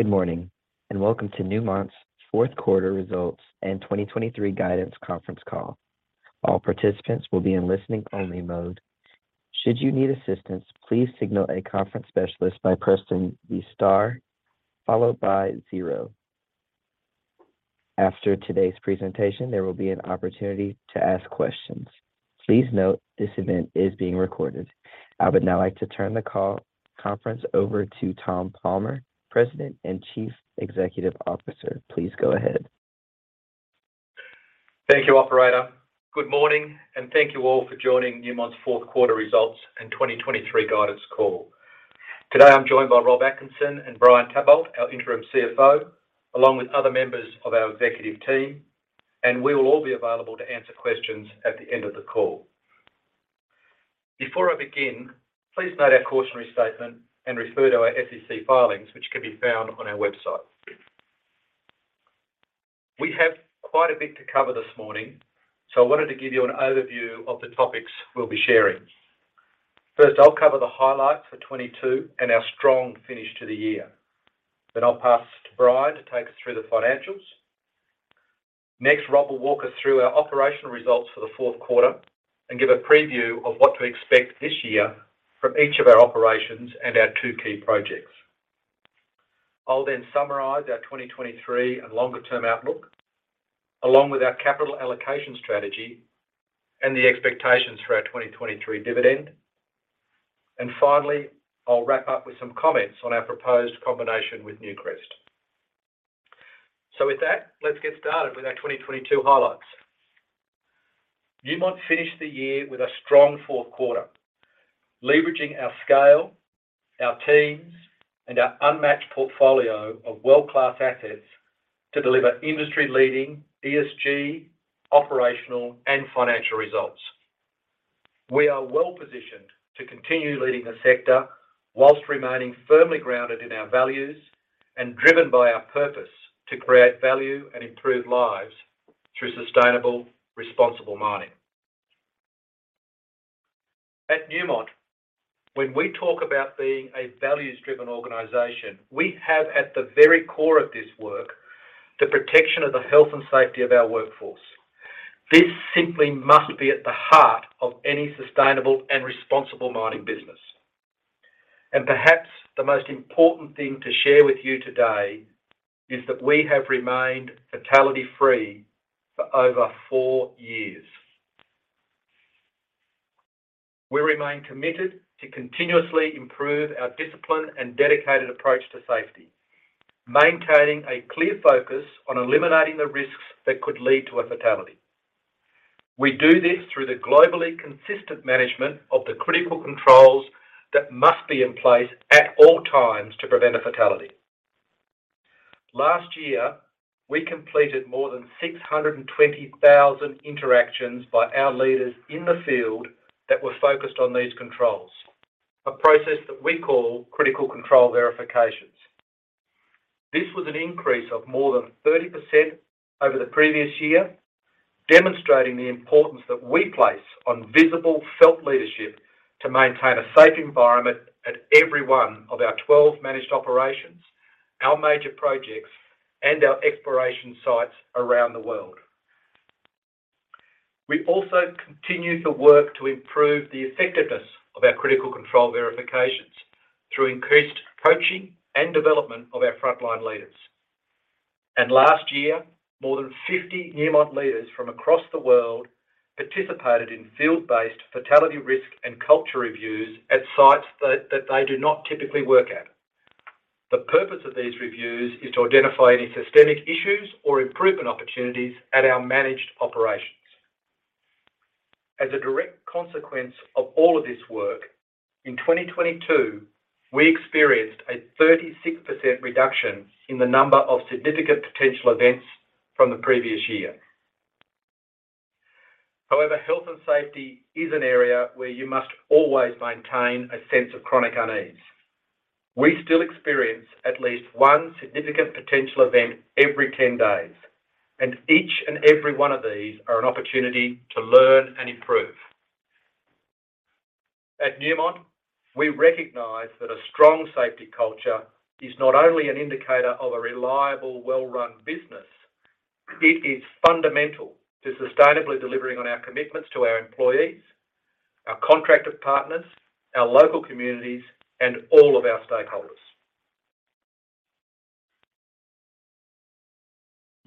Good morning, and welcome to Newmont's Q4 results and 2023 guidance conference call. All participants will be in listening only mode. Should you need assistance, please signal a conference specialist by pressing the star followed by 0. After today's presentation, there will be an opportunity to ask questions. Please note this event is being recorded. I would now like to turn the conference over to Tom Palmer, President and Chief Executive Officer. Please go ahead. Thank you, operator. Good morning, thank you all for joining Newmont's Q4 results and 2023 guidance call. Today, I'm joined by Rob Atkinson and Brian Tabolt, our interim CFO, along with other members of our executive team, and we will all be available to answer questions at the end of the call. Before I begin, please note our cautionary statement and refer to our SEC filings, which can be found on our website. We have quite a bit to cover this morning, so I wanted to give you an overview of the topics we'll be sharing. First, I'll cover the highlights for 22 and our strong finish to the year. I'll pass to Brian to take us through the financials. Rob will walk us through our operational results for the Q4 and give a preview of what to expect this year from each of our operations and our two key projects. I'll summarize our 2023 and longer-term outlook, along with our capital allocation strategy and the expectations for our 2023 dividend. Finally, I'll wrap up with some comments on our proposed combination with Newcrest. With that, let's get started with our 2022 highlights. Newmont finished the year with a strong Q4, leveraging our scale, our teams, and our unmatched portfolio of world-class assets to deliver industry-leading ESG, operational, and financial results. We are well positioned to continue leading the sector whilst remaining firmly grounded in our values and driven by our purpose to create value and improve lives through sustainable responsible mining. At Newmont, when we talk about being a values-driven organization, we have at the very core of this work the protection of the health and safety of our workforce. This simply must be at the heart of any sustainable and responsible mining business. Perhaps the most important thing to share with you today is that we have remained fatality-free for over four years. We remain committed to continuously improve our discipline and dedicated approach to safety, maintaining a clear focus on eliminating the risks that could lead to a fatality. We do this through the globally consistent management of the critical controls that must be in place at all times to prevent a fatality. Last year, we completed more than 620,000 interactions by our leaders in the field that were focused on these controls, a process that we call Critical Control Verifications. This was an increase of more than 30% over the previous year, demonstrating the importance that we place on visible felt leadership to maintain a safe environment at every one of our 12 managed operations, our major projects, and our exploration sites around the world. We also continue to work to improve the effectiveness of our Critical Control Verifications through increased coaching and development of our frontline leaders. Last year, more than 50 Newmont leaders from across the world participated in field-based fatality risk and culture reviews at sites that they do not typically work at. The purpose of these reviews is to identify any systemic issues or improvement opportunities at our managed operations. As a direct consequence of all of this work, in 2022, we experienced a 36% reduction in the number of significant potential events from the previous year. However, health and safety is an area where you must always maintain a sense of chronic unease. We still experience at least one significant potential event every 10 days, and each and every one of these are an opportunity to learn and improve. At Newmont, we recognize that a strong safety culture is not only an indicator of a reliable, well-run business, it is fundamental to sustainably delivering on our commitments to our employees, our contracted partners, our local communities, and all of our stakeholders.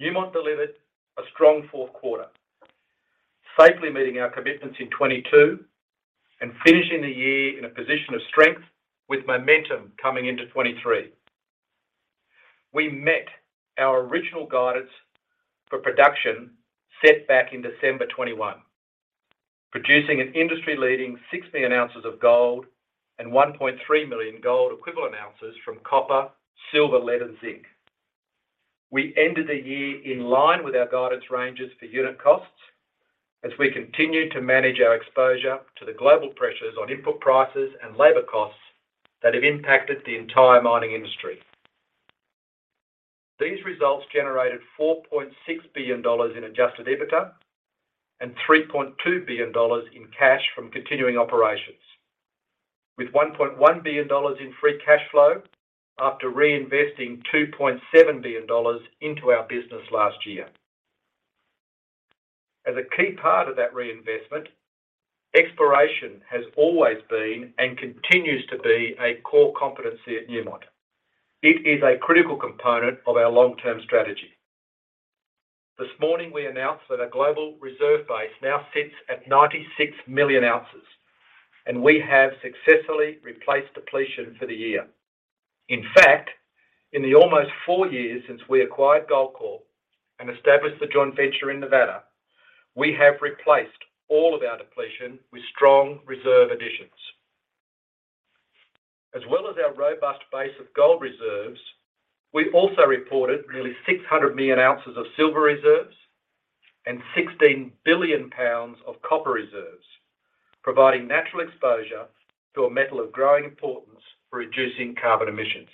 Newmont delivered a strong Q4, safely meeting our commitments in 2022 and finishing the year in a position of strength with momentum coming into 2023. We met our original guidance for production set back in December 2021, producing an industry-leading 6 million ounces of gold and 1.3 million gold equivalent ounces from copper, silver, lead, and zinc. We ended the year in line with our guidance ranges for unit costs as we continued to manage our exposure to the global pressures on input prices and labor costs that have impacted the entire mining industry. These results generated $4.6 billion in adjusted EBITDA and $3.2 billion in cash from continuing operations. With $1.1 billion in free cash flow after reinvesting $2.7 billion into our business last year. As a key part of that reinvestment, exploration has always been and continues to be a core competency at Newmont. It is a critical component of our long-term strategy. This morning, we announced that our global reserve base now sits at 96 million ounces, and we have successfully replaced depletion for the year. In fact, in the almost 4 years since we acquired Goldcorp and established the joint venture in Nevada, we have replaced all of our depletion with strong reserve additions. As well as our robust base of gold reserves, we also reported nearly 600 million ounces of silver reserves and 16 billion pounds of copper reserves, providing natural exposure to a metal of growing importance for reducing carbon emissions.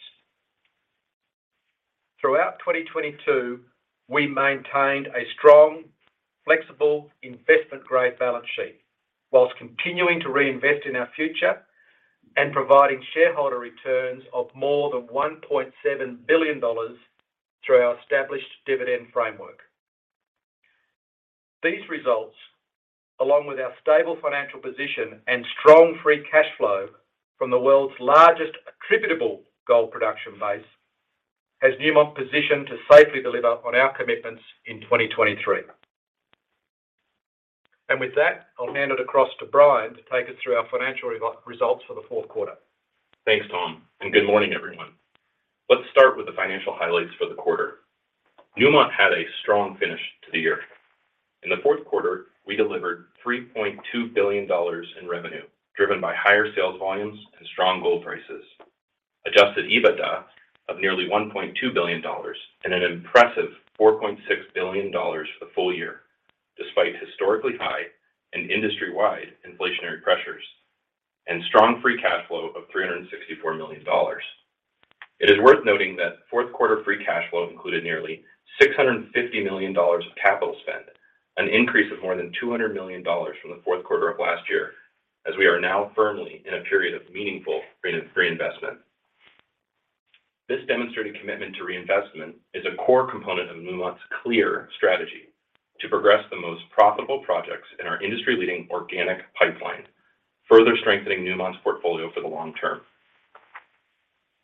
Throughout 2022, we maintained a strong, flexible investment-grade balance sheet while continuing to reinvest in our future and providing shareholder returns of more than $1.7 billion through our established dividend framework. These results, along with our stable financial position and strong free cash flow from the world's largest attributable gold production base, has Newmont positioned to safely deliver on our commitments in 2023. With that, I'll hand it across to Brian to take us through our financial results for the Q4. Thanks, Tom, good morning, everyone. Let's start with the financial highlights for the quarter. Newmont had a strong finish to the year. In the Q4r, we delivered $3.2 billion in revenue, driven by higher sales volumes and strong gold prices. Adjusted EBITDA of nearly $1.2 billion and an impressive $4.6 billion for the full year, despite historically high and industry-wide inflationary pressures and strong free cash flow of $364 million. It is worth noting that Q4 free cash flow included nearly $650 million of capital spend, an increase of more than $200 million from the Q4 of last year, as we are now firmly in a period of meaningful reinvestment. This demonstrated commitment to reinvestment is a core component of Newmont's clear strategy to progress the most profitable projects in our industry-leading organic pipeline, further strengthening Newmont's portfolio for the long term.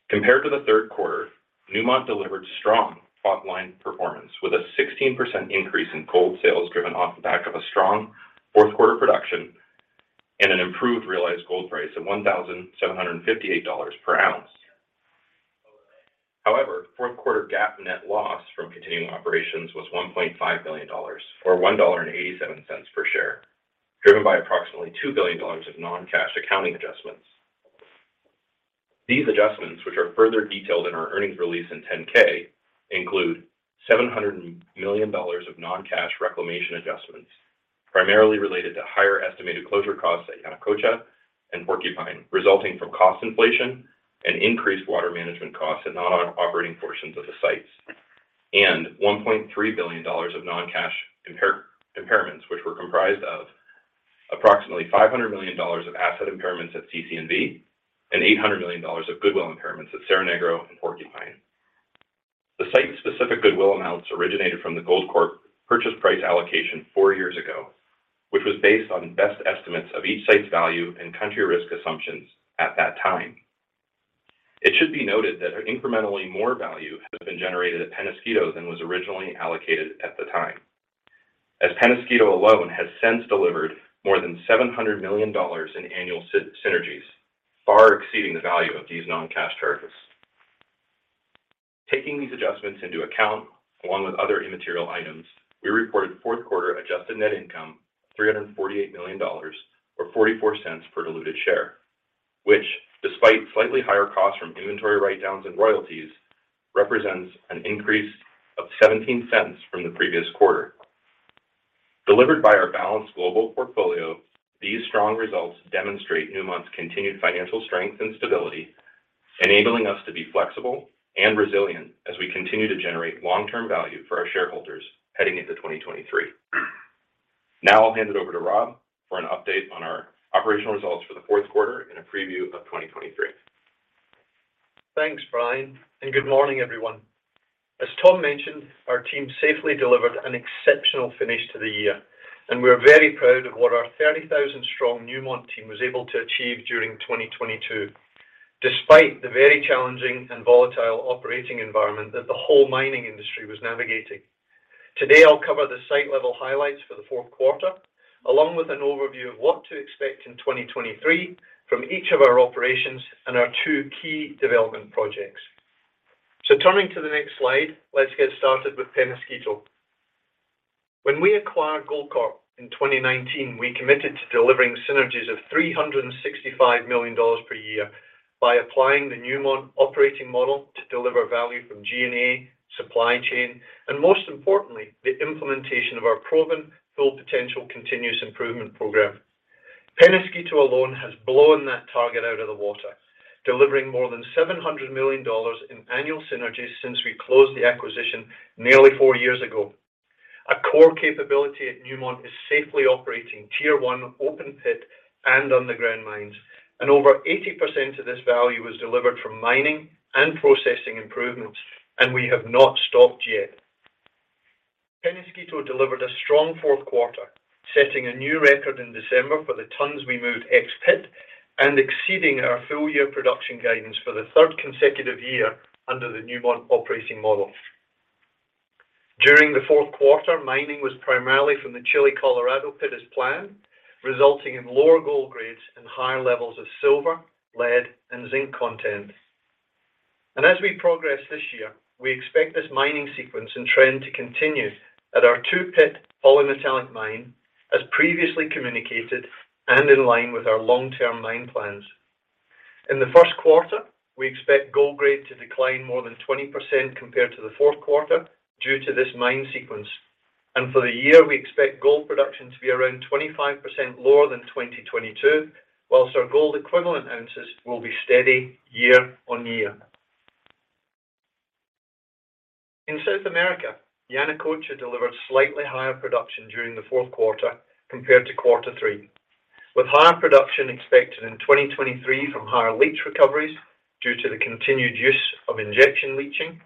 Compared to the Q3, Newmont delivered strong top-line performance with a 16% increase in gold sales driven off the back of a strong Q4 production and an improved realized gold price of $1,758 per ounce. However, Q4 GAAP net loss from continuing operations was $1.5 billion or $1.87 per share, driven by approximately $2 billion of non-cash accounting adjustments. These adjustments, which are further detailed in our earnings release in 10-K, include $700 million of non-cash reclamation adjustments, primarily related to higher estimated closure costs at Yanacocha and Porcupine, resulting from cost inflation and increased water management costs at non-operating portions of the sites. $1.3 billion of non-cash impairments, which were comprised of approximately $500 million of asset impairments at CC&V and $800 million of goodwill impairments at Cerro Negro and Porcupine. The site-specific goodwill amounts originated from the Goldcorp purchase price allocation four years ago, which was based on best estimates of each site's value and country risk assumptions at that time. It should be noted that incrementally more value has been generated at Peñasquito than was originally allocated at the time, as Peñasquito alone has since delivered more than $700 million in annual synergies, far exceeding the value of these non-cash charges. Taking these adjustments into account, along with other immaterial items, we reported Q4 adjusted net income of $348 million or $0.44 per diluted share, which despite slightly higher costs from inventory write-downs and royalties, represents an increase of $0.17 from the previous quarter. Delivered by our balanced global portfolio, these strong results demonstrate Newmont's continued financial strength and stability, enabling us to be flexible and resilient as we continue to generate long-term value for our shareholders heading into 2023. Now I'll hand it over to Rob for an update on our operational results for the Q4 and a preview of 2023. Thanks, Brian, good morning, everyone. As Tom mentioned, our team safely delivered an exceptional finish to the year, and we're very proud of what our 30,000-strong Newmont team was able to achieve during 2022, despite the very challenging and volatile operating environment that the whole mining industry was navigating. Today, I'll cover the site-level highlights for the Q4, along with an overview of what to expect in 2023 from each of our operations and our two key development projects. Turning to the next slide, let's get started with Penasquito. When we acquired Goldcorp in 2019, we committed to delivering synergies of $365 million per year by applying the Newmont operating model to deliver value from G&A, supply chain, and most importantly, the implementation of our proven Full Potential continuous improvement program. Penasquito alone has blown that target out of the water, delivering more than $700 million in annual synergies since we closed the acquisition nearly four years ago. A core capability at Newmont is safely operating Tier One open pit and underground mines. Over 80% of this value is delivered from mining and processing improvements, and we have not stopped yet. Peñasquito delivered a strong Q4, setting a new record in December for the tonnes we moved ex-pit, and exceeding our full-year production guidance for the 3rd consecutive year under the Newmont operating model. During the Q4, mining was primarily from the Chile Colorado pit as planned, resulting in lower gold grades and higher levels of silver, lead, and zinc content. As we progress this year, we expect this mining sequence and trend to continue at our 2-pit polymetallic mine, as previously communicated and in line with our long-term mine plans. In the Q1, we expect gold grade to decline more than 20% compared to the Q4 due to this mine sequence. For the year, we expect gold production to be around 25% lower than 2022, whilst our gold equivalent ounces will be steady year-on-year. In South America, Yanacocha delivered slightly higher production during the Q4 compared to Q3, with higher production expected in 2023 from higher leach recoveries due to the continued use of injection leaching.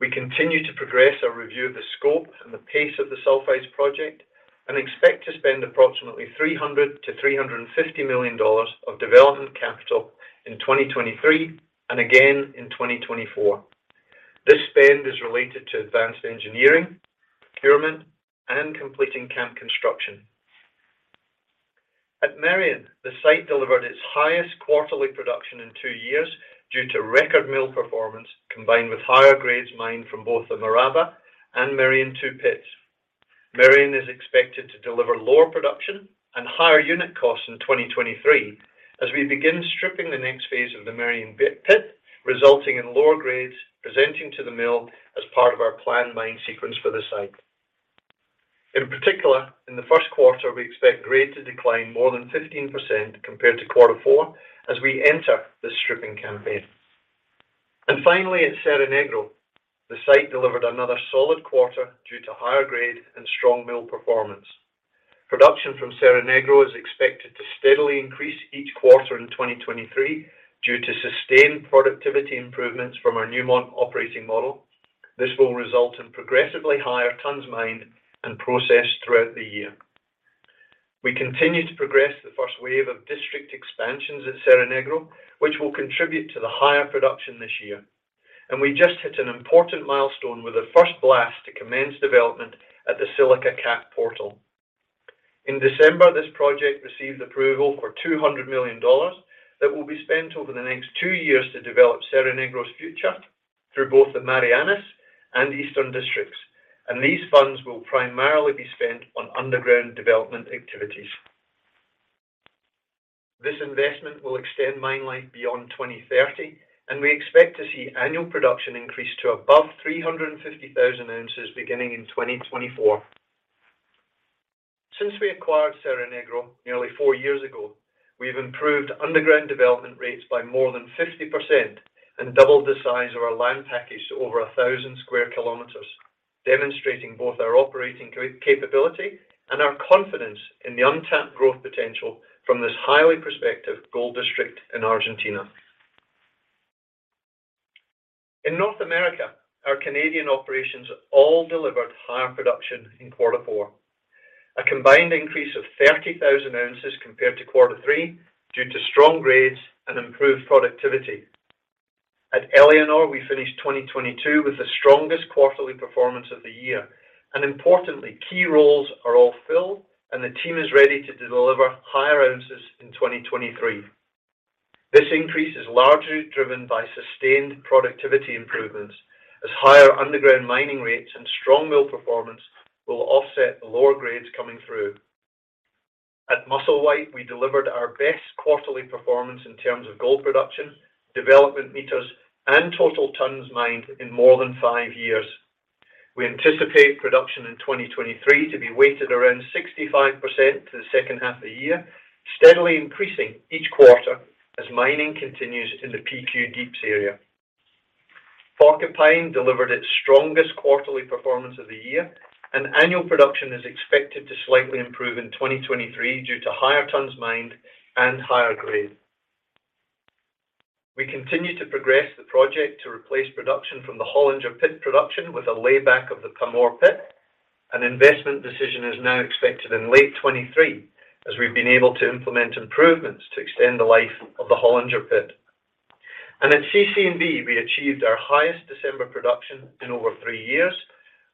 We continue to progress our review of the scope and the pace of the sulphides project and expect to spend approximately $300 million-$350 million of development capital in 2023 and again in 2024. This spend is related to advanced engineering, procurement, and completing camp construction. At Merian, the site delivered its highest quarterly production in two years due to record mill performance combined with higher grades mined from both the Maraba and Merian Two pits. Merian is expected to deliver lower production and higher unit costs in 2023 as we begin stripping the next phase of the Merian pit, resulting in lower grades presenting to the mill as part of our planned mine sequence for the site. In particular, in the Q1, we expect grade to decline more than 15% compared to quarter four as we enter the stripping campaign. Finally, at Cerro Negro, the site delivered another solid quarter due to higher grade and strong mill performance. Production from Cerro Negro is expected to steadily increase each quarter in 2023 due to sustained productivity improvements from our Newmont operating model. This will result in progressively higher tonnes mined and processed throughout the year. We continue to progress the first wave of district expansions at Cerro Negro, which will contribute to the higher production this year. We just hit an important milestone with the first blast to commence development at the Silica Cap portal. In December, this project received approval for $200 million that will be spent over the next two years to develop Cerro Negro's future through both the Marianas and Eastern Districts. These funds will primarily be spent on underground development activities. This investment will extend mine life beyond 2030, and we expect to see annual production increase to above 350,000 ounces beginning in 2024. Since we acquired Cerro Negro nearly 4 years ago, we've improved underground development rates by more than 50% and doubled the size of our land package to over 1,000 square kilometers, demonstrating both our operating capability and our confidence in the untapped growth potential from this highly prospective gold district in Argentina. In North America, our Canadian operations all delivered higher production in Q4, a combined increase of 30,000 ounces compared to Q3 due to strong grades and improved productivity. At Éléonore, we finished 2022 with the strongest quarterly performance of the year, and importantly, key roles are all filled and the team is ready to deliver higher ounces in 2023. This increase is largely driven by sustained productivity improvements as higher underground mining rates and strong mill performance will offset the lower grades coming through. At Musselwhite, we delivered our best quarterly performance in terms of gold production, development meters, and total tonnes mined in more than five years. We anticipate production in 2023 to be weighted around 65% to the second half of the year, steadily increasing each quarter as mining continues in the PQ Deeps area. Porcupine delivered its strongest quarterly performance of the year, and annual production is expected to slightly improve in 2023 due to higher tonnes mined and higher grade. We continue to progress the project to replace production from the Hollinger pit with a layback of the Pamour pit. An investment decision is now expected in late 2023, as we've been able to implement improvements to extend the life of the Hollinger pit. At CC&V, we achieved our highest December production in over 3 years,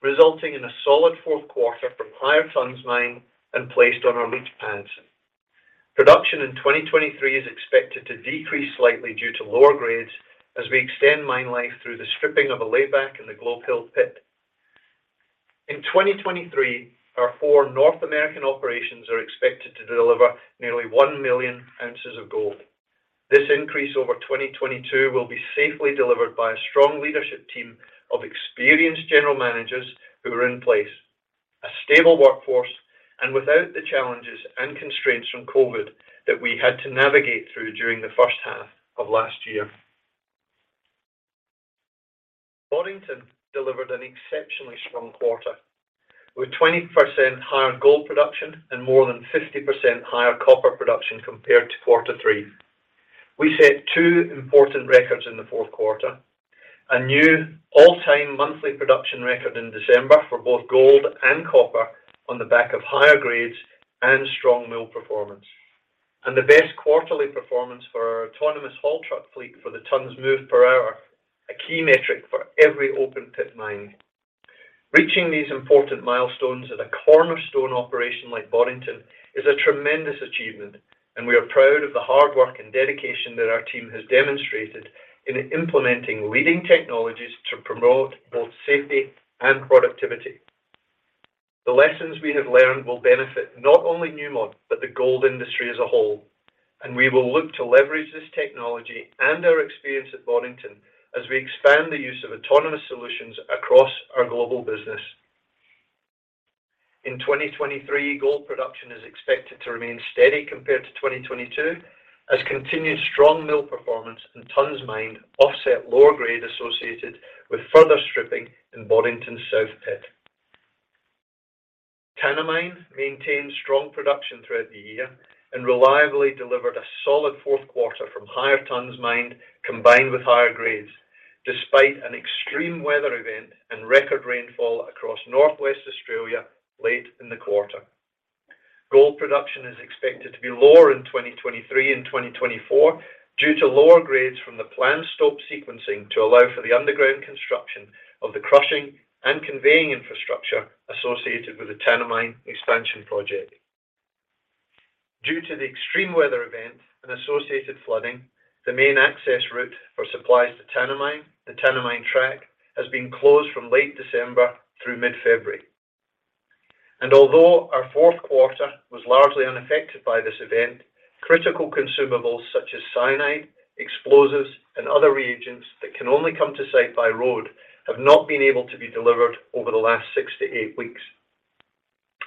resulting in a solid Q4 from higher tonnes mined and placed on our leach pads. Production in 2023 is expected to decrease slightly due to lower grades as we extend mine life through the stripping of a layback in the Globe Hill pit. In 2023, our 4 North American operations are expected to deliver nearly 1 million ounces of gold. This increase over 2022 will be safely delivered by a strong leadership team of experienced general managers who are in place, a stable workforce, and without the challenges and constraints from COVID that we had to navigate through during the first half of last year. Boddington delivered an exceptionally strong quarter, with 20% higher gold production and more than 50% higher copper production compared to Q3. We set two important records in the Q4, a new all-time monthly production record in December for both gold and copper on the back of higher grades and strong mill performance, and the best quarterly performance for our autonomous haul truck fleet for the tonnes moved per hour, a key metric for every open pit mine. Reaching these important milestones at a cornerstone operation like Boddington is a tremendous achievement, and we are proud of the hard work and dedication that our team has demonstrated in implementing leading technologies to promote both safety and productivity. The lessons we have learned will benefit not only Newmont, but the gold industry as a whole. We will look to leverage this technology and our experience at Boddington as we expand the use of autonomous solutions across our global business. In 2023, gold production is expected to remain steady compared to 2022 as continued strong mill performance and tonnes mined offset lower grade associated with further stripping in Boddington's South Pit. Tanami maintained strong production throughout the year and reliably delivered a solid Q4 from higher tonnes mined combined with higher grades, despite an extreme weather event and record rainfall across North West Australia late in the quarter. Gold production is expected to be lower in 2023 and 2024 due to lower grades from the planned stop sequencing to allow for the underground construction of the crushing and conveying infrastructure associated with the Tanami Expansion Project. Due to the extreme weather event and associated flooding, the main access route for supplies to Tanami, the Tanami Track, has been closed from late December through mid-February. Although our Q4 was largely unaffected by this event, critical consumables such as cyanide, explosives, and other reagents that can only come to site by road have not been able to be delivered over the last 6 to 8 weeks,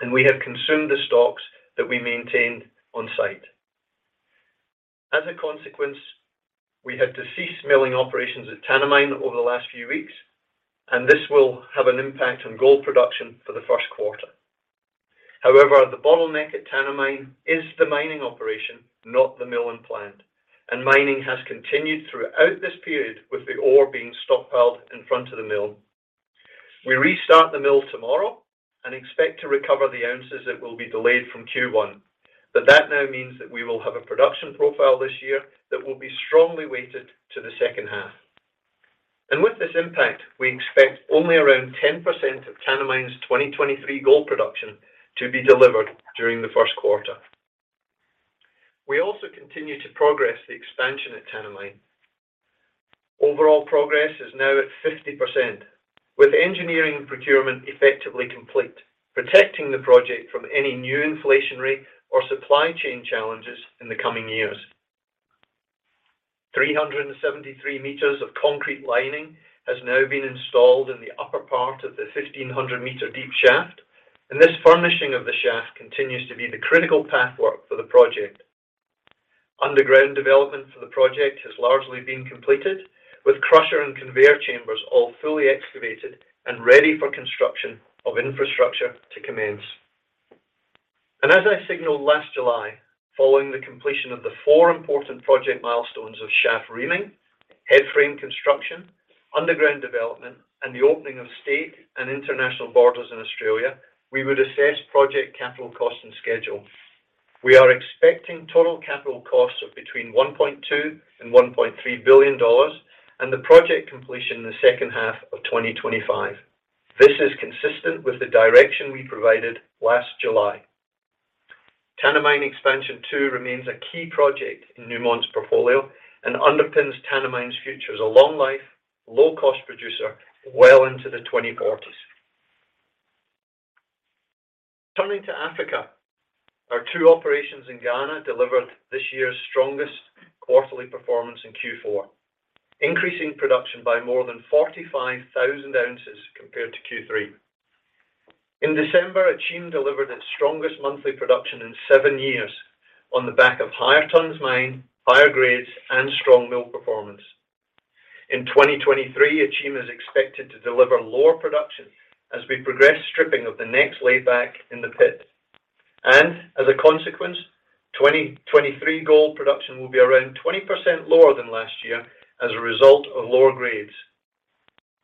and we have consumed the stocks that we maintained on-site. As a consequence, we had to cease milling operations at Tanami over the last few weeks, and this will have an impact on gold production for the Q1. However, the bottleneck at Tanami is the mining operation, not the mill and plant, and mining has continued throughout this period with the ore being stockpiled in front of the mill. We restart the mill tomorrow and expect to recover the ounces that will be delayed from Q1, but that now means that we will have a production profile this year that will be strongly weighted to the second half. With this impact, we expect only around 10% of Tanami's 2023 gold production to be delivered during the Q1. We also continue to progress the expansion at Tanami. Overall progress is now at 50%, with engineering and procurement effectively complete, protecting the project from any new inflationary or supply chain challenges in the coming years. 373 meters of concrete lining has now been installed in the upper part of the 1,500 meter deep shaft, this furnishing of the shaft continues to be the critical path work for the project. Underground development for the project has largely been completed, with crusher and conveyor chambers all fully excavated and ready for construction of infrastructure to commence. As I signaled last July, following the completion of the four important project milestones of shaft reaming, headframe construction, underground development, and the opening of state and international borders in Australia, we would assess project capital cost and schedule. We are expecting total capital costs of between $1.2 billion and $1.3 billion and the project completion in the second half of 2025. This is consistent with the direction we provided last July. Tanami Expansion Two remains a key project in Newmont's portfolio and underpins Tanami's future as a long life, low-cost producer well into the 2040s. Turning to Africa, our two operations in Ghana delivered this year's strongest quarterly performance in Q4, increasing production by more than 45,000 ounces compared to Q3. In December, Akyem delivered its strongest monthly production in 7 years on the back of higher tonnes mined, higher grades, and strong mill performance. In 2023, Akyem is expected to deliver lower production as we progress stripping of the next lay back in the pit. As a consequence, 2023 gold production will be around 20% lower than last year as a result of lower grades.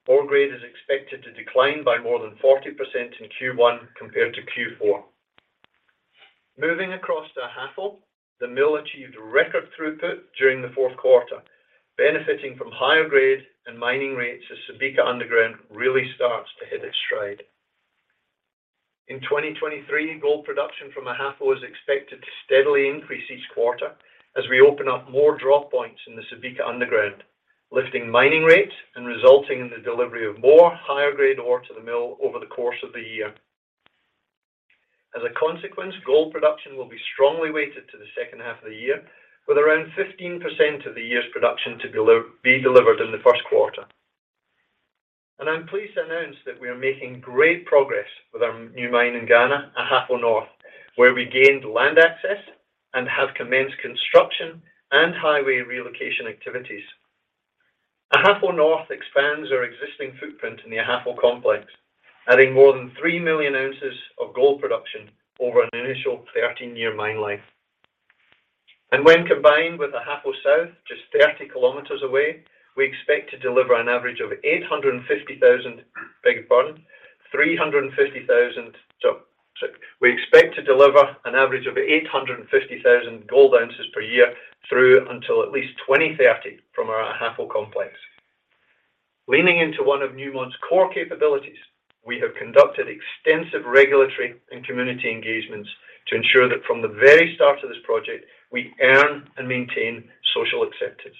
Ore grade is expected to decline by more than 40% in Q1 compared to Q4. Moving across to Ahafo, the mill achieved record throughput during the Q4, benefiting from higher grade and mining rates as Subika Underground really starts to hit its stride. In 2023, gold production from Ahafo is expected to steadily increase each quarter as we open up more drop points in the Subika Underground, lifting mining rates and resulting in the delivery of more higher-grade ore to the mill over the course of the year. As a consequence, gold production will be strongly weighted to the second half of the year, with around 15% of the year's production to be delivered in the Q1 I'm pleased to announce that we are making great progress with our new mine in Ghana, Ahafo North, where we gained land access and have commenced construction and highway relocation activities. Ahafo North expands our existing footprint in the Ahafo complex, adding more than 3 million ounces of gold production over an initial 13-year mine life. When combined with Ahafo South, just 30 kilometers away, we expect to deliver an average of 850,000 gold ounces per year through until at least 2030 from our Ahafo complex. Leaning into one of Newmont's core capabilities, we have conducted extensive regulatory and community engagements to ensure that from the very start of this project, we earn and maintain social acceptance.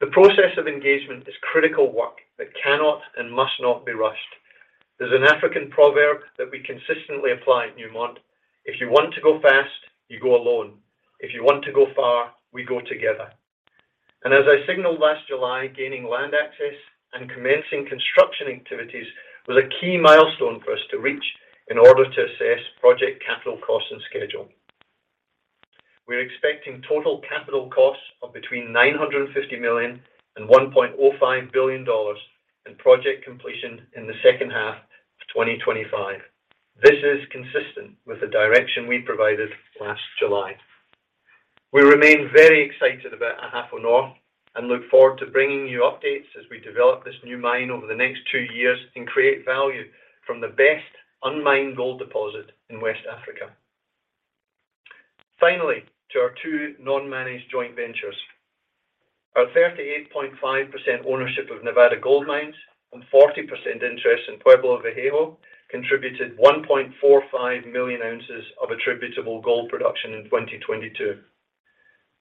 The process of engagement is critical work that cannot and must not be rushed. There's an African proverb that we consistently apply at Newmont. If you want to go fast, you go alone. If you want to go far, we go together. As I signaled last July, gaining land access and commencing construction activities was a key milestone for us to reach in order to assess project capital cost and schedule. We're expecting total capital costs of between $950 million and $1.05 billion in project completion in the second half of 2025. This is consistent with the direction we provided last July. We remain very excited about Ahafo North and look forward to bringing you updates as we develop this new mine over the next two years and create value from the best unmined gold deposit in West Africa. Finally, to our two non-managed joint ventures. Our 38.5% ownership of Nevada Gold Mines and 40% interest in Pueblo Viejo contributed 1.45 million ounces of attributable gold production in 2022.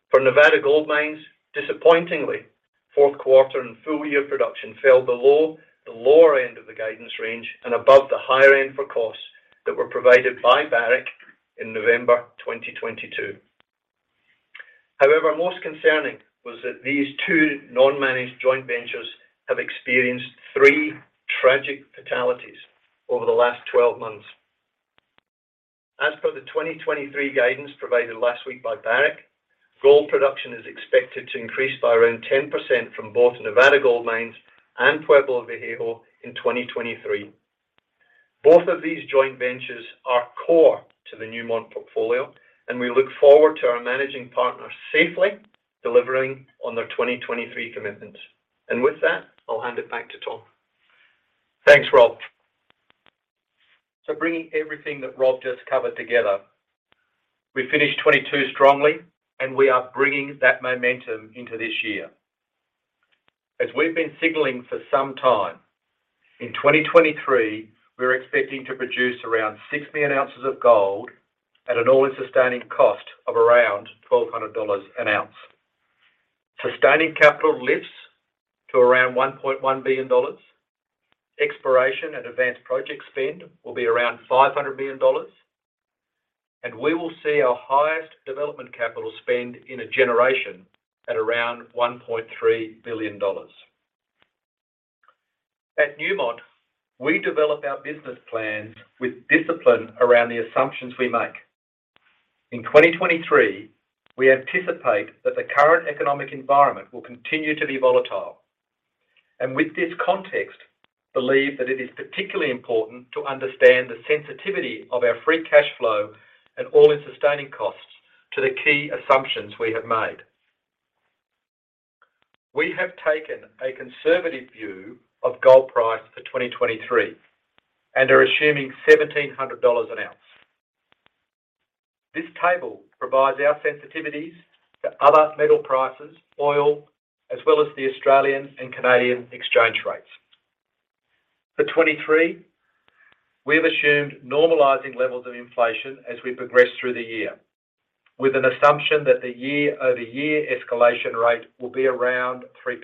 For Nevada Gold Mines, disappointingly, Q4 and full-year production fell below the lower end of the guidance range and above the higher end for costs that were provided by Barrick in November 2022. Most concerning was that these two non-managed joint ventures have experienced 3 tragic fatalities over the last 12 months. As per the 2023 guidance provided last week by Barrick, gold production is expected to increase by around 10% from both Nevada Gold Mines and Pueblo Viejo in 2023. Both of these joint ventures are core to the Newmont portfolio, and we look forward to our managing partner safely delivering on their 2023 commitments. With that, I'll hand it back to Tom. Thanks, Rob. Bringing everything that Rob just covered together, we finished 2022 strongly, and we are bringing that momentum into this year. As we've been signaling for some time, in 2023, we're expecting to produce around 60 million ounces of gold at an all-in sustaining cost of around $1,200 an ounce. Sustaining capital lifts to around $1.1 billion. Exploration and advanced project spend will be around $500 million. We will see our highest development capital spend in a generation at around $1.3 billion. At Newmont, we develop our business plans with discipline around the assumptions we make. In 2023, we anticipate that the current economic environment will continue to be volatile, and with this context, believe that it is particularly important to understand the sensitivity of our free cash flow and all-in sustaining costs to the key assumptions we have made. We have taken a conservative view of gold price for 2023 and are assuming $1,700 an ounce. This table provides our sensitivities to other metal prices, oil, as well as the Australian and Canadian exchange rates. For 2023, we have assumed normalizing levels of inflation as we progress through the year with an assumption that the year-over-year escalation rate will be around 3%.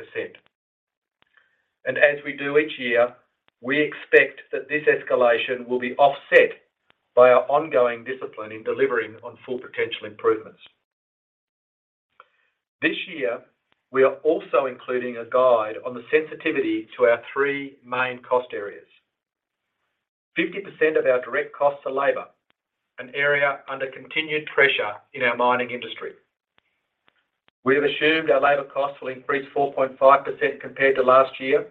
As we do each year, we expect that this escalation will be offset by our ongoing discipline in delivering on Full Potential improvements. This year, we are also including a guide on the sensitivity to our three main cost areas. 50% of our direct costs are labor, an area under continued pressure in our mining industry. We have assumed our labor costs will increase 4.5% compared to last year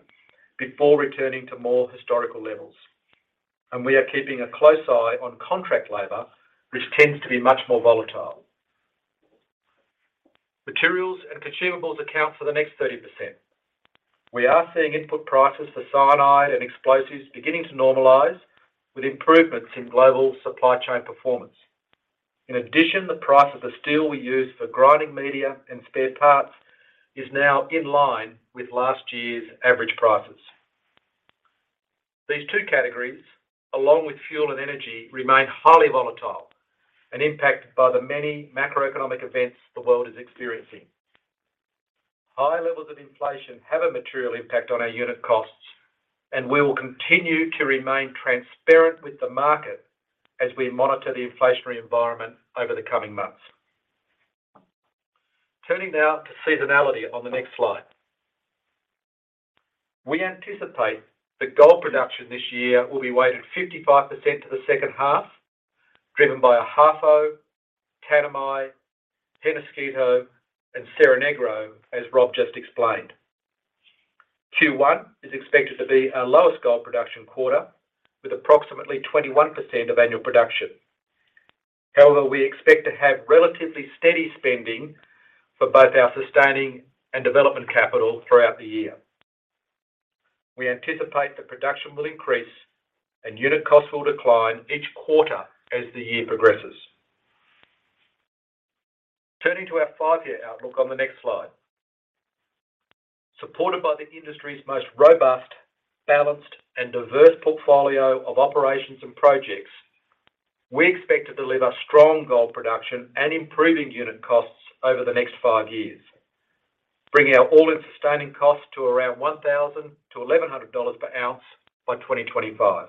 before returning to more historical levels. We are keeping a close eye on contract labor, which tends to be much more volatile. Materials and consumables account for the next 30%. We are seeing input prices for cyanide and explosives beginning to normalize with improvements in global supply chain performance. In addition, the price of the steel we use for grinding media and spare parts is now in line with last year's average prices. These two categories, along with fuel and energy, remain highly volatile and impacted by the many macroeconomic events the world is experiencing. High levels of inflation have a material impact on our unit costs, and we will continue to remain transparent with the market as we monitor the inflationary environment over the coming months. Turning now to seasonality on the next slide. We anticipate that gold production this year will be weighted 55% to the second half, driven by Ahafo, Tanami, Penasquito, and Cerro Negro, as Rob just explained. Q1 is expected to be our lowest gold production quarter with approximately 21% of annual production. However, we expect to have relatively steady spending for both our sustaining and development capital throughout the year. We anticipate that production will increase and unit cost will decline each quarter as the year progresses. Turning to our five-year outlook on the next slide. Supported by the industry's most robust, balanced, and diverse portfolio of operations and projects, we expect to deliver strong gold production and improving unit costs over the next five years, bringing our all-in sustaining cost to around $1,000-$1,100 per ounce by 2025.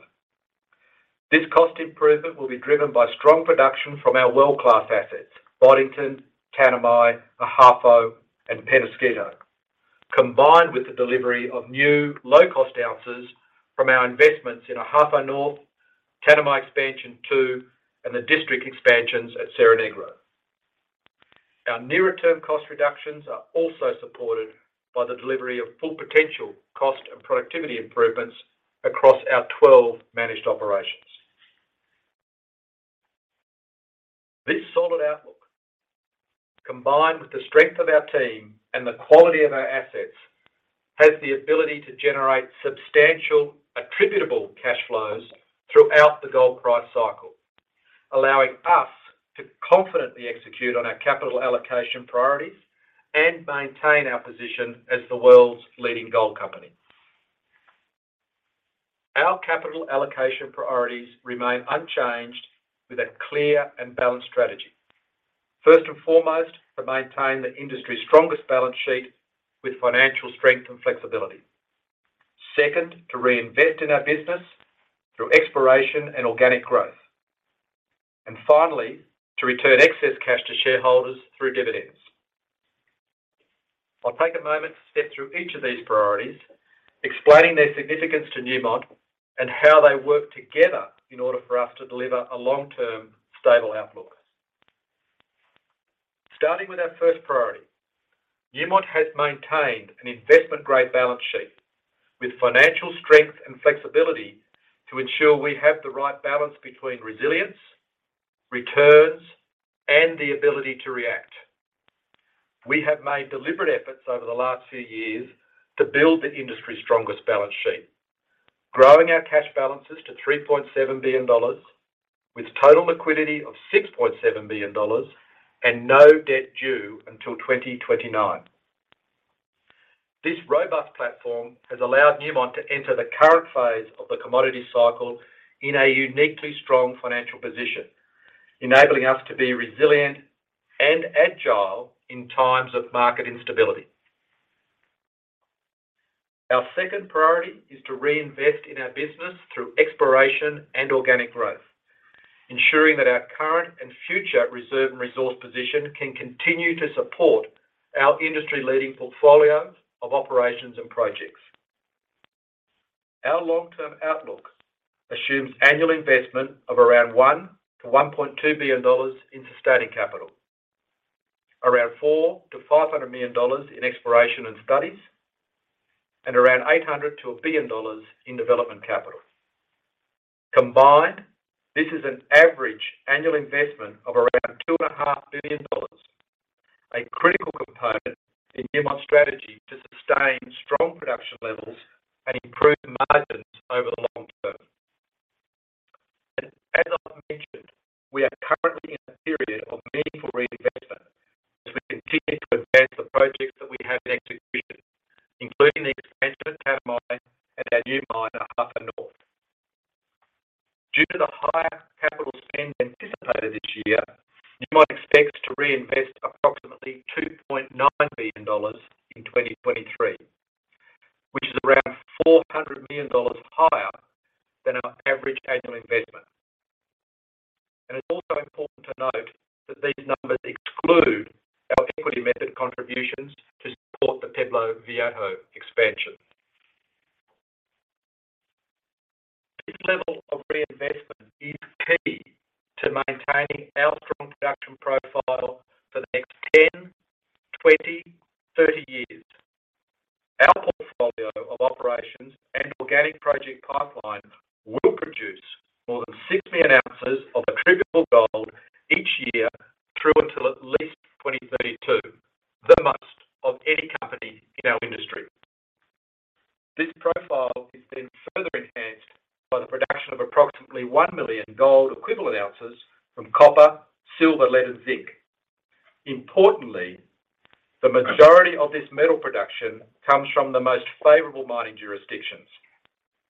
This cost improvement will be driven by strong production from our world-class assets Boddington, Tanami, Ahafo, and Penasquito. Combined with the delivery of new low-cost ounces from our investments in Ahafo North, Tanami Expansion Two, and the district expansions at Cerro Negro. Our nearer-term cost reductions are also supported by the delivery of Full Potential cost and productivity improvements across our 12 managed operations. This solid outlook, combined with the strength of our team and the quality of our assets, has the ability to generate substantial attributable cash flows throughout the gold price cycle, allowing us to confidently execute on our capital allocation priorities and maintain our position as the world's leading gold company. Our capital allocation priorities remain unchanged with a clear and balanced strategy. First and foremost, to maintain the industry's strongest balance sheet with financial strength and flexibility. Second, to reinvest in our business through exploration and organic growth. Finally, to return excess cash to shareholders through dividends. I'll take a moment to step through each of these priorities, explaining their significance to Newmont and how they work together in order for us to deliver a long-term, stable outlook. Starting with our first priority, Newmont has maintained an investment-grade balance sheet with financial strength and flexibility to ensure we have the right balance between resilience, returns, and the ability to react. We have made deliberate efforts over the last few years to build the industry's strongest balance sheet, growing our cash balances to $3.7 billion, with total liquidity of $6.7 billion and no debt due until 2029. This robust platform has allowed Newmont to enter the current phase of the commodity cycle in a uniquely strong financial position, enabling us to be resilient and agile in times of market instability. Our second priority is to reinvest in our business through exploration and organic growth, ensuring that our current and future reserve and resource position can continue to support our industry-leading portfolio of operations and projects. Our long-term outlook assumes annual investment of around $1 billion-$1.2 billion in sustaining capital. Around $400 million-$500 million in exploration and studies, and around $800 million-$1 billion in development capital. Combined, this is an average annual investment of around two and a half billion dollars, a critical component in Newmont's strategy to sustain strong production levels and improve margins over the long term. As I've mentioned, we are currently in a period of meaningful reinvestment as we continue to advance the projects that we have in execution, including the expansion of Tanami and our new mine at Ahafo North. Due to the higher capital spend anticipated this year, Newmont expects to reinvest approximately $2.9 billion in 2023, which is around $400 million higher than our average annual investment. It's also important to note that these numbers exclude our equity method contributions to support the Pueblo Viejo expansion. This level of reinvestment is key to maintaining our strong production profile for the next 10, 20, 30 years. Our portfolio of operations and organic project pipeline will produce more than 6 million ounces of attributable gold each year through until at least 2032, the most of any company in our industry. This profile is further enhanced by the production of approximately 1 million gold equivalent ounces from copper, silver, lead, and zinc. Importantly, the majority of this metal production comes from the most favorable mining jurisdictions,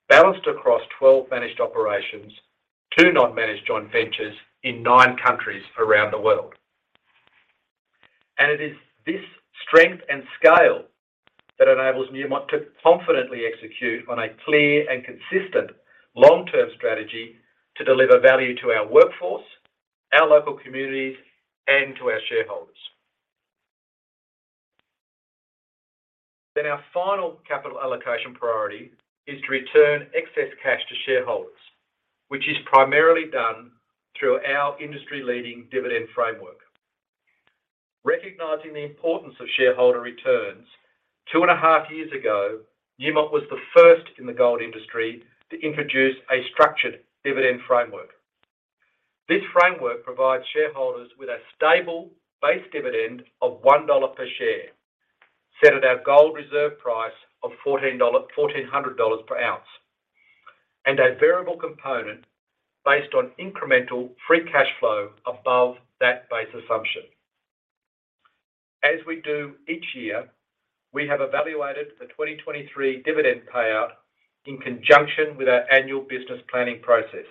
balanced across 12 managed operations, 2 non-managed joint ventures in 9 countries around the world. It is this strength and scale that enables Newmont to confidently execute on a clear and consistent long-term strategy to deliver value to our workforce, our local communities, and to our shareholders. Our final capital allocation priority is to return excess cash to shareholders, which is primarily done through our industry-leading dividend framework. Recognizing the importance of shareholder returns, 2.5 years ago, Newmont was the first in the gold industry to introduce a structured dividend framework. This framework provides shareholders with a stable base dividend of $1 per share, set at our gold reserve price of $1,400 per ounce, and a variable component based on incremental free cash flow above that base assumption. As we do each year, we have evaluated the 2023 dividend payout in conjunction with our annual business planning process.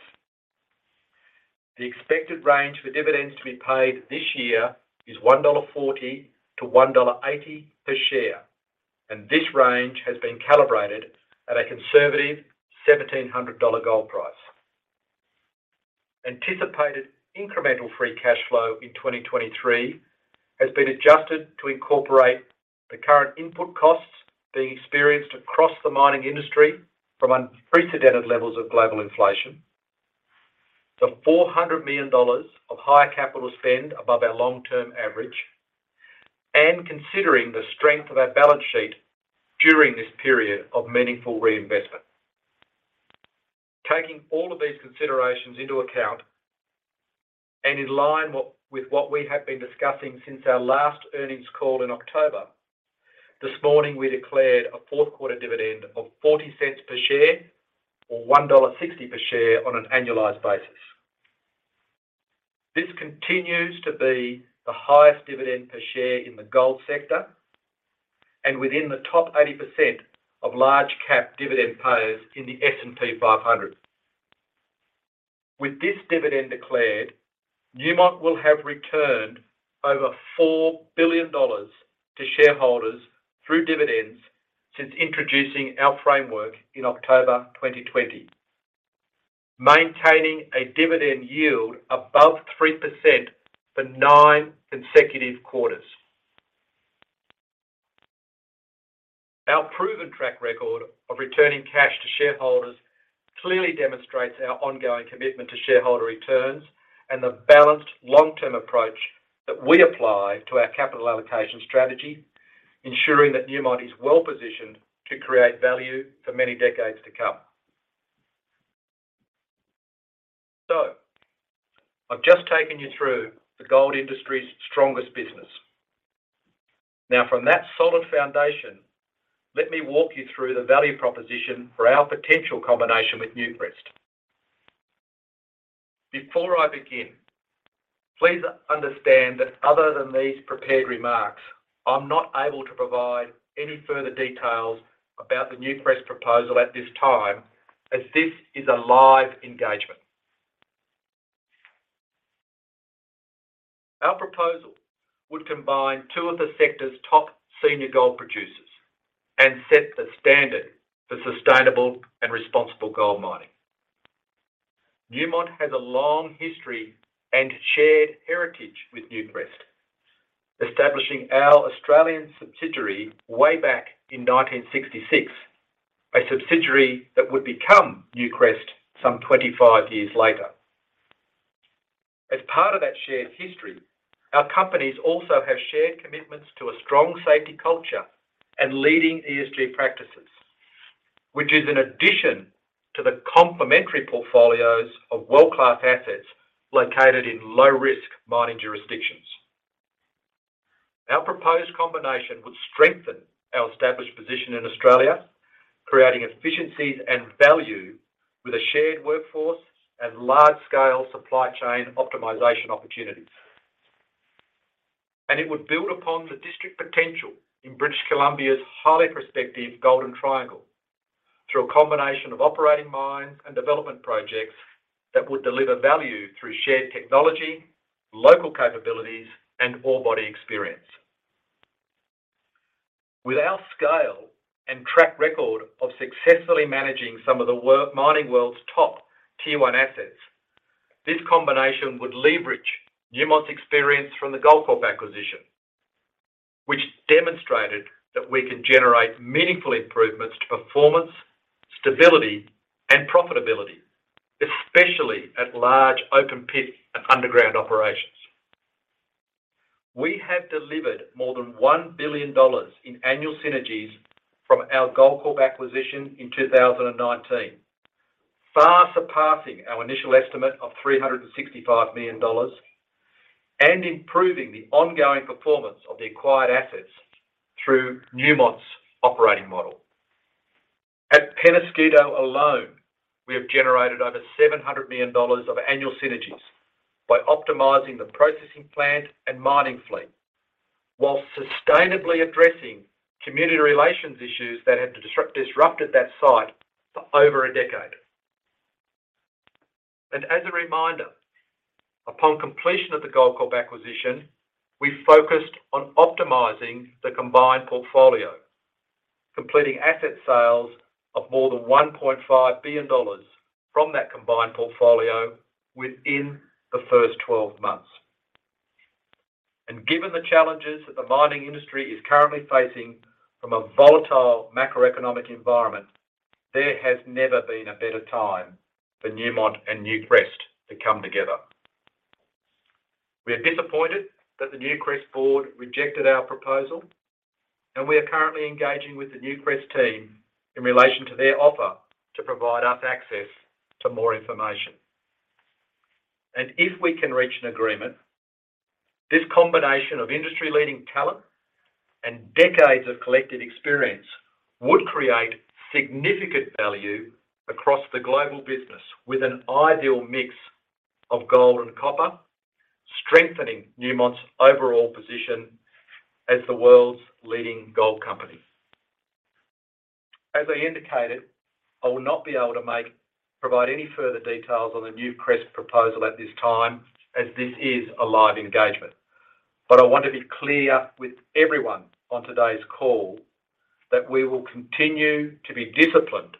The expected range for dividends to be paid this year is $1.40-$1.80 per share, and this range has been calibrated at a conservative $1,700 gold price. Anticipated incremental free cash flow in 2023 has been adjusted to incorporate the current input costs being experienced across the mining industry from unprecedented levels of global inflation. The $400 million of higher capital spend above our long-term average and considering the strength of our balance sheet during this period of meaningful reinvestment. Taking all of these considerations into account and in line with what we have been discussing since our last earnings call in October, this morning, we declared a Q4 dividend of $0.40 per share or $1.60 per share on an annualized basis. This continues to be the highest dividend per share in the gold sector and within the top 80% of large cap dividend payers in the S&P 500. With this dividend declared, Newmont will have returned over $4 billion to shareholders through dividends since introducing our framework in October 2020, maintaining a dividend yield above 3% for nine consecutive quarters. Our proven track record of returning cash to shareholders clearly demonstrates our ongoing commitment to shareholder returns and the balanced long-term approach that we apply to our capital allocation strategy, ensuring that Newmont is well-positioned to create value for many decades to come. I've just taken you through the gold industry's strongest business. From that solid foundation, let me walk you through the value proposition for our potential combination with Newcrest. Before I begin, please understand that other than these prepared remarks, I'm not able to provide any further details about the Newcrest proposal at this time as this is a live engagement. Our proposal would combine two of the sector's top senior gold producers and set the standard for sustainable and responsible gold mining. Newmont has a long history and shared heritage with Newcrest, establishing our Australian subsidiary way back in 1966, a subsidiary that would become Newcrest some 25 years later. As part of that shared history, our companies also have shared commitments to a strong safety culture and leading ESG practices, which is an addition to the complementary portfolios of world-class assets located in low-risk mining jurisdictions. Our proposed combination would strengthen our established position in Australia, creating efficiencies and value with a shared workforce and large-scale supply chain optimization opportunities. It would build upon the district potential in British Columbia's highly prospective Golden Triangle through a combination of operating mines and development projects that would deliver value through shared technology, local capabilities, and ore body experience. With our scale and track record of successfully managing some of the mining world's top tier one assets, this combination would leverage Newmont's experience from the Goldcorp acquisition, which demonstrated that we can generate meaningful improvements to performance, stability, and profitability, especially at large open pit and underground operations. We have delivered more than $1 billion in annual synergies from our Goldcorp acquisition in 2019, far surpassing our initial estimate of $365 million and improving the ongoing performance of the acquired assets through Newmont's operating model. At Penasquito alone, we have generated over $700 million of annual synergies by optimizing the processing plant and mining fleet while sustainably addressing community relations issues that have disrupted that site for over a decade. As a reminder, upon completion of the Goldcorp acquisition, we focused on optimizing the combined portfolio, completing asset sales of more than $1.5 billion from that combined portfolio within the first 12 months. Given the challenges that the mining industry is currently facing from a volatile macroeconomic environment, there has never been a better time for Newmont and Newcrest to come together. We are disappointed that the Newcrest board rejected our proposal, and we are currently engaging with the Newcrest team in relation to their offer to provide us access to more information. If we can reach an agreement, this combination of industry-leading talent and decades of collected experience would create significant value across the global business with an ideal mix of gold and copper, strengthening Newmont's overall position as the world's leading gold company. As I indicated, I will not be able to provide any further details on the Newcrest proposal at this time as this is a live engagement. I want to be clear with everyone on today's call that we will continue to be disciplined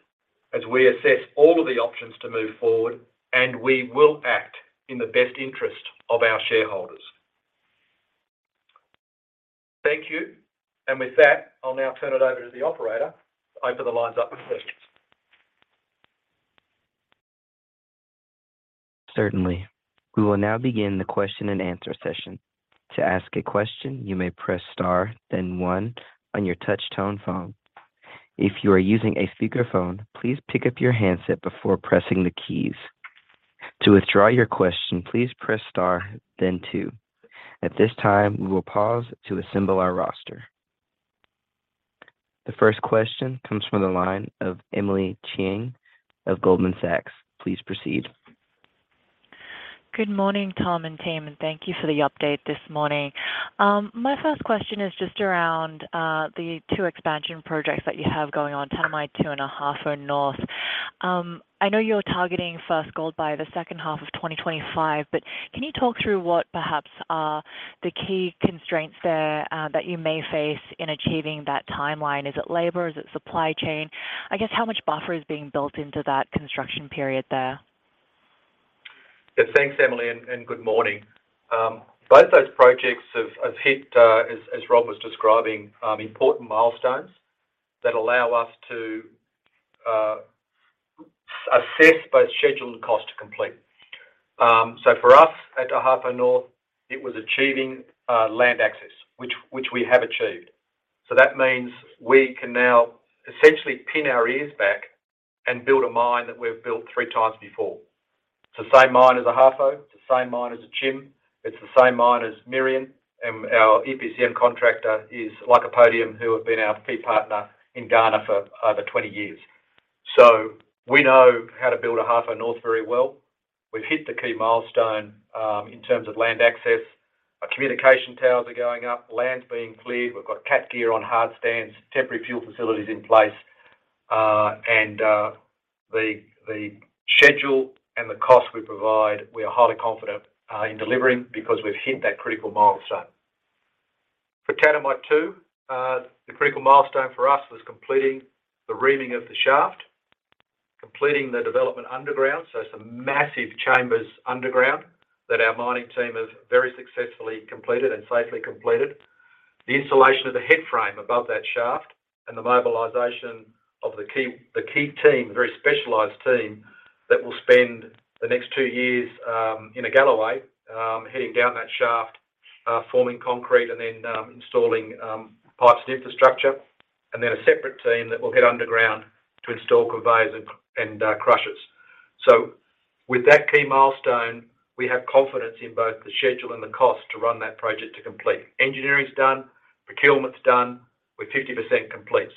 as we assess all of the options to move forward, and we will act in the best interest of our shareholders. Thank you. With that, I'll now turn it over to the operator to open the lines up for questions. Certainly. We will now begin the question-and-answer session. To ask a question, you may press star, then 1 on your touch tone phone. If you are using a speakerphone, please pick up your handset before pressing the keys. To withdraw your question, please press star then 2. At this time, we will pause to assemble our roster. The first question comes from the line of Emily Chieng of Goldman Sachs. Please proceed. Good morning, Tom and team, and thank you for the update this morning. My first question is just around the two expansion projects that you have going on Tanami 2 and Ahafo North. I know you're targeting first gold by the second half of 2025. Can you talk through what perhaps are the key constraints there that you may face in achieving that timeline? Is it labor? Is it supply chain? I guess how much buffer is being built into that construction period there? Thanks, Emily, and good morning. Both those projects have hit as Rob was describing, important milestones that allow us to assess both schedule and cost to complete. For us at Ahafo North, it was achieving land access, which we have achieved. That means we can now essentially pin our ears back and build a mine that we've built 3 times before. It's the same mine as Ahafo. It's the same mine as Akyem. It's the same mine as Merian. Our EPCM contractor is Lycopodium who have been our key partner in Ghana for over 20 years. We know how to build Ahafo North very well. We've hit the key milestone in terms of land access. Our communication towers are going up. Land's being cleared. We've got cat gear on hard stands, temporary fuel facilities in place. The schedule and the cost we provide, we are highly confident, in delivering because we've hit that critical milestone. For Tanami 2, the critical milestone for us was completing the reaming of the shaft, completing the development underground, so some massive chambers underground that our mining team has very successfully completed and safely completed. The installation of the headframe above that shaft and the mobilization of the key, the key team, very specialized team that will spend the next 2 years, in a galloway, heading down that shaft, forming concrete and then, installing, pipes and infrastructure. A separate team that will head underground to install conveyors and crushers. With that key milestone, we have confidence in both the schedule and the cost to run that project to complete. Engineering's done. Procurement's done. We're 50% complete.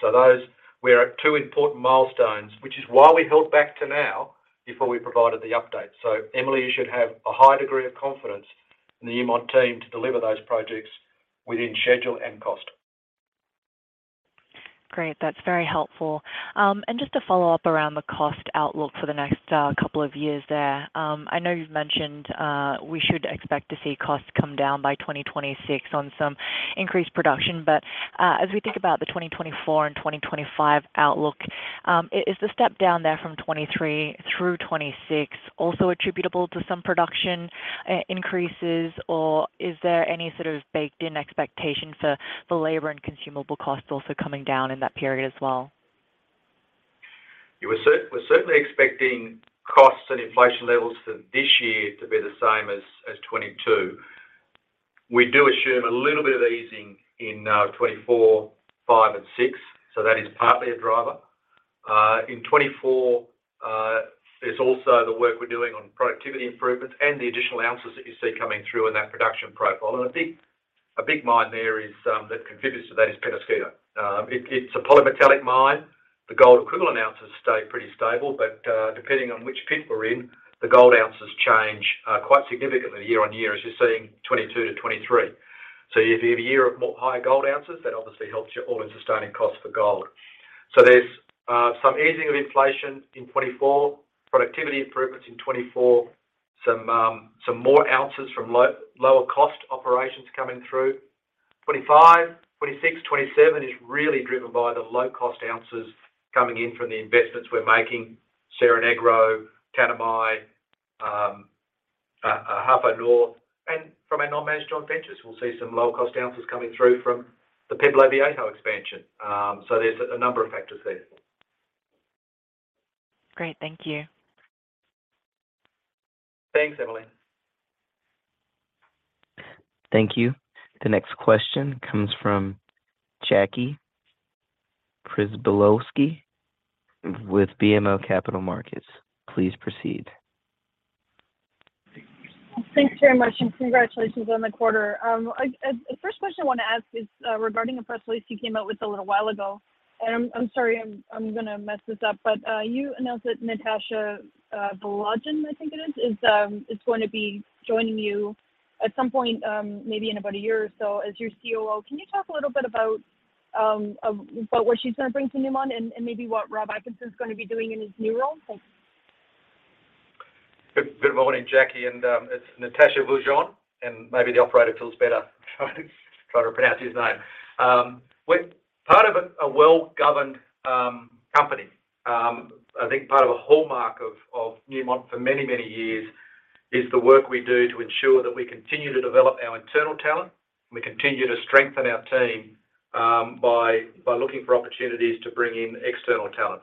We are at two important milestones, which is why we held back to now before we provided the update. Emily, you should have a high degree of confidence in the Newmont team to deliver those projects within schedule and cost. Great. That's very helpful. Just to follow up around the cost outlook for the next couple of years there. I know you've mentioned we should expect to see costs come down by 2026 on some increased production. As we think about the 2024 and 2025 outlook, is the step down there from 2023 through 2026 also attributable to some production increases, or is there any sort of baked-in expectation for the labor and consumable costs also coming down in that period as well? Yeah. We're certainly expecting costs and inflation levels for this year to be the same as 2022. We do assume a little bit of easing in 2024, 2025 and 2026. That is partly a driver. In 2024, there's also the work we're doing on productivity improvements and the additional ounces that you see coming through in that production profile. And a big mine there is that contributes to that is Peñasquito. It's a polymetallic mine. The gold equivalent ounces stay pretty stable, but depending on which pit we're in, the gold ounces change quite significantly year on year as you're seeing 2022 to 2023. If you have a year of more high gold ounces, that obviously helps your all-in sustaining cost for gold. There's some easing of inflation in 2024, productivity improvements in 2024, some more ounces from lower cost operations coming through. 2025, 2026, 2027 is really driven by the low-cost ounces coming in from the investments we're making. Cerro Negro, Tanami, Ahafo North, and from our non-managed joint ventures. We'll see some low-cost ounces coming through from the Pueblo Viejo expansion. There's a number of factors there. Great. Thank you. Thanks, Emily. Thank you. The next question comes from Jackie Przybylowski with BMO Capital Markets. Please proceed. Thanks very much, and congratulations on the quarter. The first question I wanna ask is regarding a press release you came out with a little while ago. I'm sorry, I'm gonna mess this up, but you announced that Natascha Viljoen, I think it is gonna be joining you at some point, maybe in about a year or so as your COO. Can you talk a little bit about what she's gonna bring to Newmont and maybe what Rob Atkinson is gonna be doing in his new role? Thanks. Good morning, Jackie. It's Natascha Viljoen, and maybe the operator feels better trying to pronounce his name. We're part of a well-governed company. I think part of a hallmark of Newmont for many years is the work we do to ensure that we continue to develop our internal talent, and we continue to strengthen our team by looking for opportunities to bring in external talent.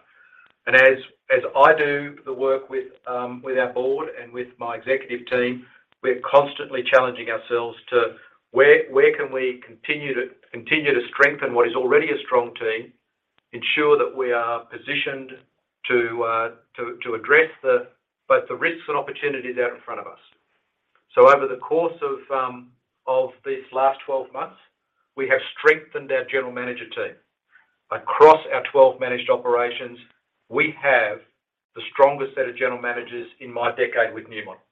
As I do the work with our board and with my executive team, we're constantly challenging ourselves to where can we continue to strengthen what is already a strong team, ensure that we are positioned to address both the risks and opportunities out in front of us. Over the course of this last 12 months, we have strengthened our general manager team. Across our 12 managed operations, we have the strongest set of general managers in my decade with Newmont.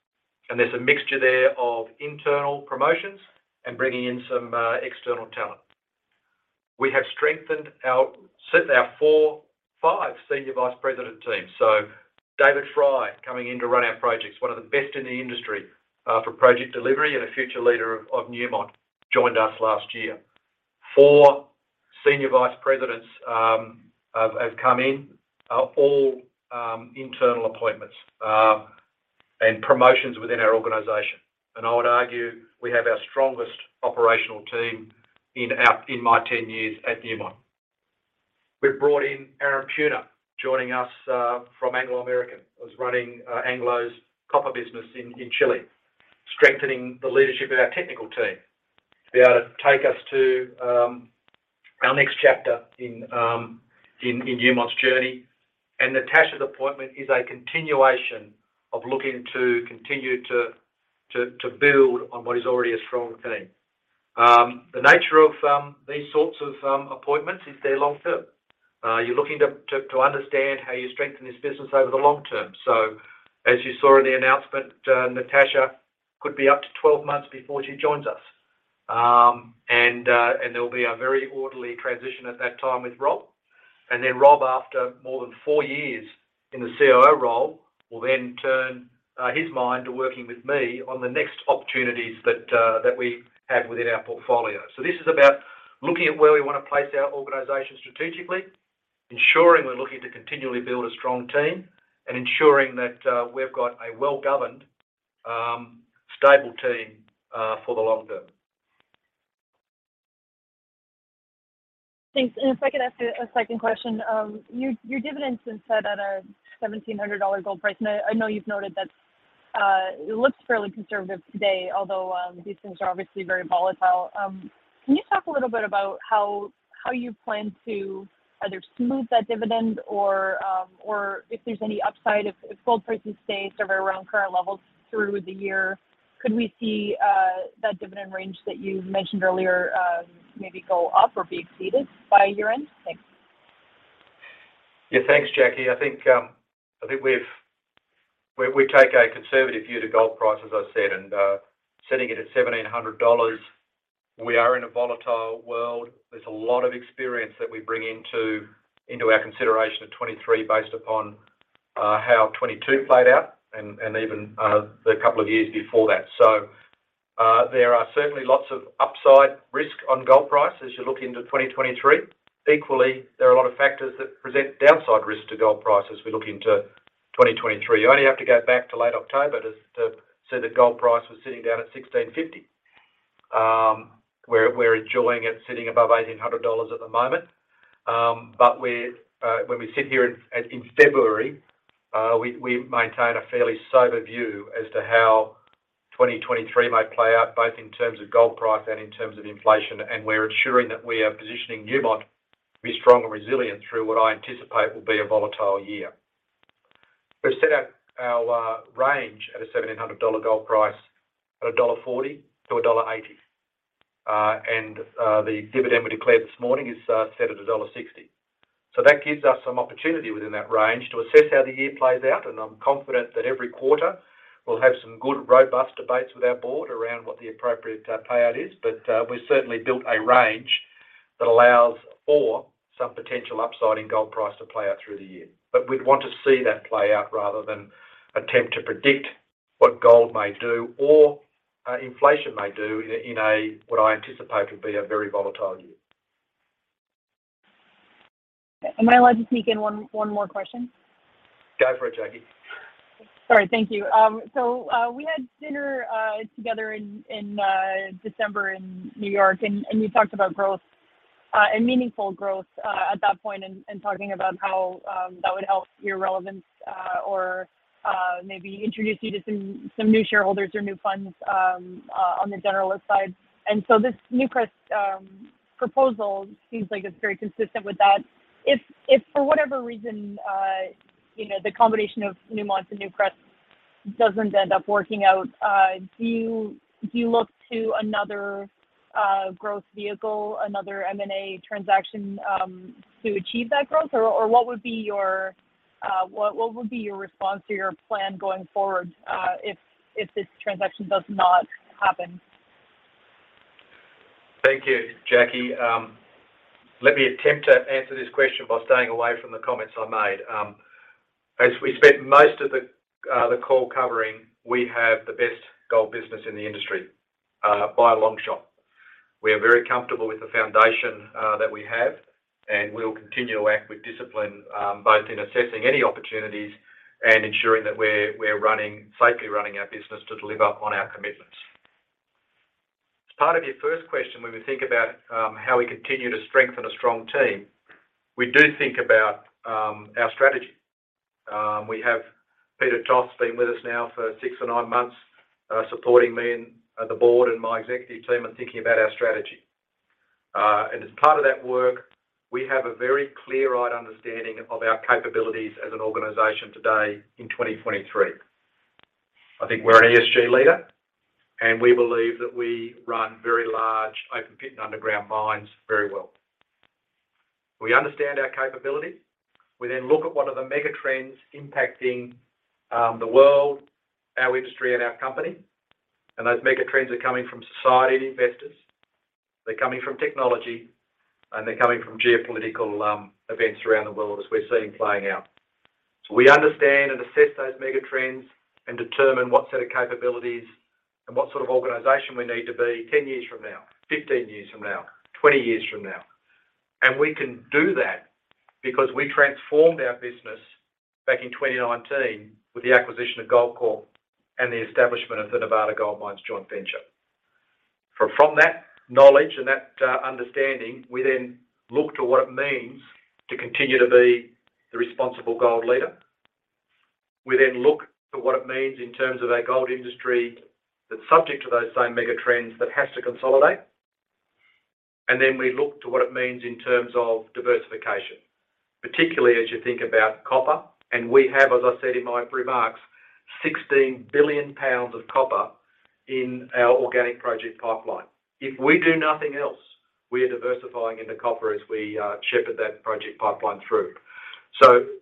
There's a mixture there of internal promotions and bringing in some external talent. We have strengthened our, certainly our four, five Senior Vice President team. David Frye coming in to run our projects, one of the best in the industry, for project delivery and a future leader of Newmont, joined us last year. 4 Senior Vice Presidents have come in, all internal appointments and promotions within our organization. I would argue we have our strongest operational team in my 10 years at Newmont. We've brought in Aaron Puna, joining us from Anglo American. Was running Anglo's copper business in Chile, strengthening the leadership of our technical team to be able to take us to our next chapter in Newmont's journey. Natascha's appointment is a continuation of looking to continue to build on what is already a strong team. The nature of these sorts of appointments is they're long-term. You're looking to understand how you strengthen this business over the long term. As you saw in the announcement, Natascha could be up to 12 months before she joins us. There'll be a very orderly transition at that time with Rob. Rob, after more than 4 years in the COO role, will then turn his mind to working with me on the next opportunities that we have within our portfolio. This is about looking at where we wanna place our organization strategically, ensuring we're looking to continually build a strong team, and ensuring that we've got a well-governed, stable team for the long term. Thanks. If I could ask a second question. Your dividend's been set at a $1,700 gold price. I know you've noted that it looks fairly conservative today, although these things are obviously very volatile. Can you talk a little bit about how you plan to either smooth that dividend or if there's any upside if gold prices stay sort of around current levels through the year, could we see that dividend range that you mentioned earlier, maybe go up or be exceeded by year-end? Thanks. Yeah. Thanks, Jackie. I think we take a conservative view to gold price, as I said, and setting it at $1,700, we are in a volatile world. There's a lot of experience that we bring into our consideration of 2023 based upon how 2022 played out and even the couple of years before that. There are certainly lots of upside risk on gold price as you look into 2023. Equally, there are a lot of factors that present downside risk to gold price as we look into 2023. You only have to go back to late October to see that gold price was sitting down at $1,650. We're enjoying it sitting above $1,800 at the moment. We're when we sit here in February, we maintain a fairly sober view as to how 2023 may play out, both in terms of gold price and in terms of inflation. We're ensuring that we are positioning Newmont to be strong and resilient through what I anticipate will be a volatile year. We've set out our range at a $1,700 gold price at a $1.40-$1.80. The dividend we declared this morning is set at a $1.60. That gives us some opportunity within that range to assess how the year plays out, and I'm confident that every quarter we'll have some good, robust debates with our board around what the appropriate payout is. We've certainly built a range that allows for some potential upside in gold price to play out through the year. We'd want to see that play out rather than attempt to predict what gold may do or inflation may do what I anticipate would be a very volatile year. Am I allowed to sneak in one more question? Go for it, Jackie. Sorry. Thank you. We had dinner together in December in New York and you talked about growth and meaningful growth at that point and talking about how that would help your relevance or maybe introduce you to some new shareholders or new funds on the generalist side. This Newcrest proposal seems like it's very consistent with that. If for whatever reason, the combination of Newmont and Newcrest doesn't end up working out, do you look to another growth vehicle, another M&A transaction to achieve that growth? What would be your response or your plan going forward if this transaction does not happen? Thank you, Jackie. Let me attempt to answer this question by staying away from the comments I made. As we spent most of the call covering, we have the best gold business in the industry by a long shot. We are very comfortable with the foundation that we have, and we will continue to act with discipline both in assessing any opportunities and ensuring that we're running, safely running our business to deliver on our commitments. As part of your first question, when we think about how we continue to strengthen a strong team, we do think about our strategy. We have Peter Toth been with us now for six to nine months supporting me and the board and my executive team in thinking about our strategy. As part of that work, we have a very clear-eyed understanding of our capabilities as an organization today in 2023. I think we're an ESG leader, and we believe that we run very large open pit and underground mines very well. We understand our capabilities. We look at what are the mega trends impacting the world, our industry and our company, and those mega trends are coming from society and investors. They're coming from technology, and they're coming from geopolitical events around the world as we're seeing playing out. We understand and assess those mega trends and determine what set of capabilities and what sort of organization we need to be 10 years from now, 15 years from now, 20 years from now. We can do that because we transformed our business back in 2019 with the acquisition of Goldcorp and the establishment of the Nevada Gold Mines joint venture. From that knowledge and that understanding, we then look to what it means to continue to be the responsible gold leader. We look to what it means in terms of our gold industry that's subject to those same mega trends that has to consolidate. We look to what it means in terms of diversification, particularly as you think about copper. We have, as I said in my remarks, 16 billion pounds of copper in our organic project pipeline. If we do nothing else, we are diversifying into copper as we shepherd that project pipeline through.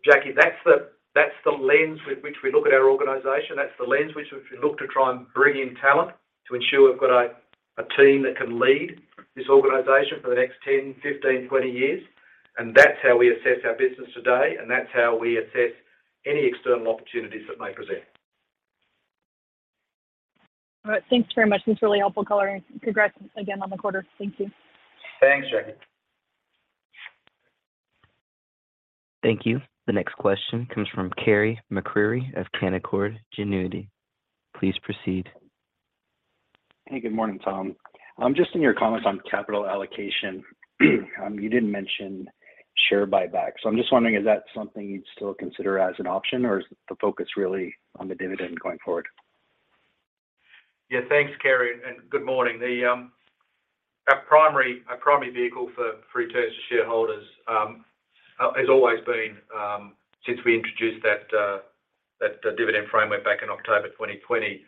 Jackie, that's the lens with which we look at our organization. That's the lens which we look to try and bring in talent to ensure we've got a team that can lead this organization for the next 10, 15, 20 years. That's how we assess our business today, and that's how we assess any external opportunities that may present. All right. Thanks very much. That's really helpful color. Congrats again on the quarter. Thank you. Thanks, Jackie. Thank you. The next question comes from Carey MacRury of Canaccord Genuity. Please proceed. Hey, good morning, Tom. Just in your comments on capital allocation, you didn't mention share buybacks. I'm just wondering, is that something you'd still consider as an option, or is the focus really on the dividend going forward? Yeah. Thanks, Carey, and good morning. The, our primary vehicle for returns to shareholders, has always been, since we introduced that dividend framework back in October 2020,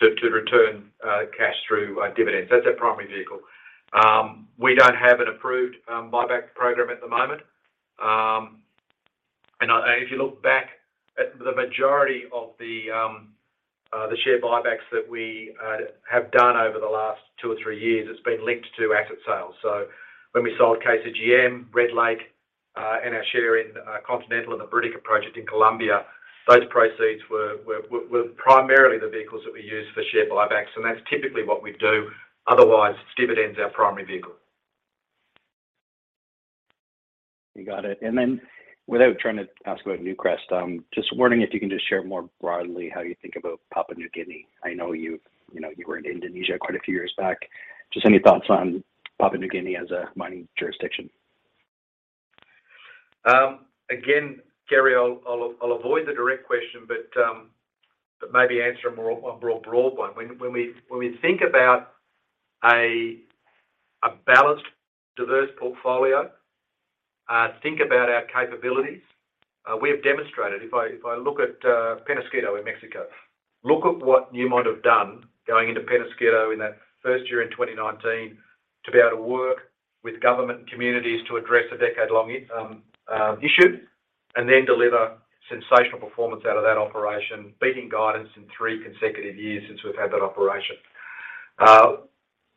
to return cash through dividends. That's our primary vehicle. We don't have an approved buyback program at the moment. If you look back at the majority of the share buybacks that we have done over the last 2 or 3 years, it's been linked to asset sales. When we sold KCGM, Red Lake, and our share in Continental and the Buriticá project in Colombia, those proceeds were primarily the vehicles that we used for share buybacks, and that's typically what we'd do. Otherwise, dividend's our primary vehicle. You got it. Without trying to ask about Newcrest, just wondering if you can just share more broadly how you think about Papua New Guinea. I know you were in Indonesia quite a few years back. Just any thoughts on Papua New Guinea as a mining jurisdiction? Again, Kerry, I'll avoid the direct question, but maybe answer a more, a broad one. When we think about a balanced, diverse portfolio, think about our capabilitiesWe have demonstrated, if I look at Peñasquito in Mexico, look at what you might have done going into Peñasquito in that first year in 2019 to be able to work with government and communities to address a decade-long issue and then deliver sensational performance out of that operation, beating guidance in three consecutive years since we've had that operation.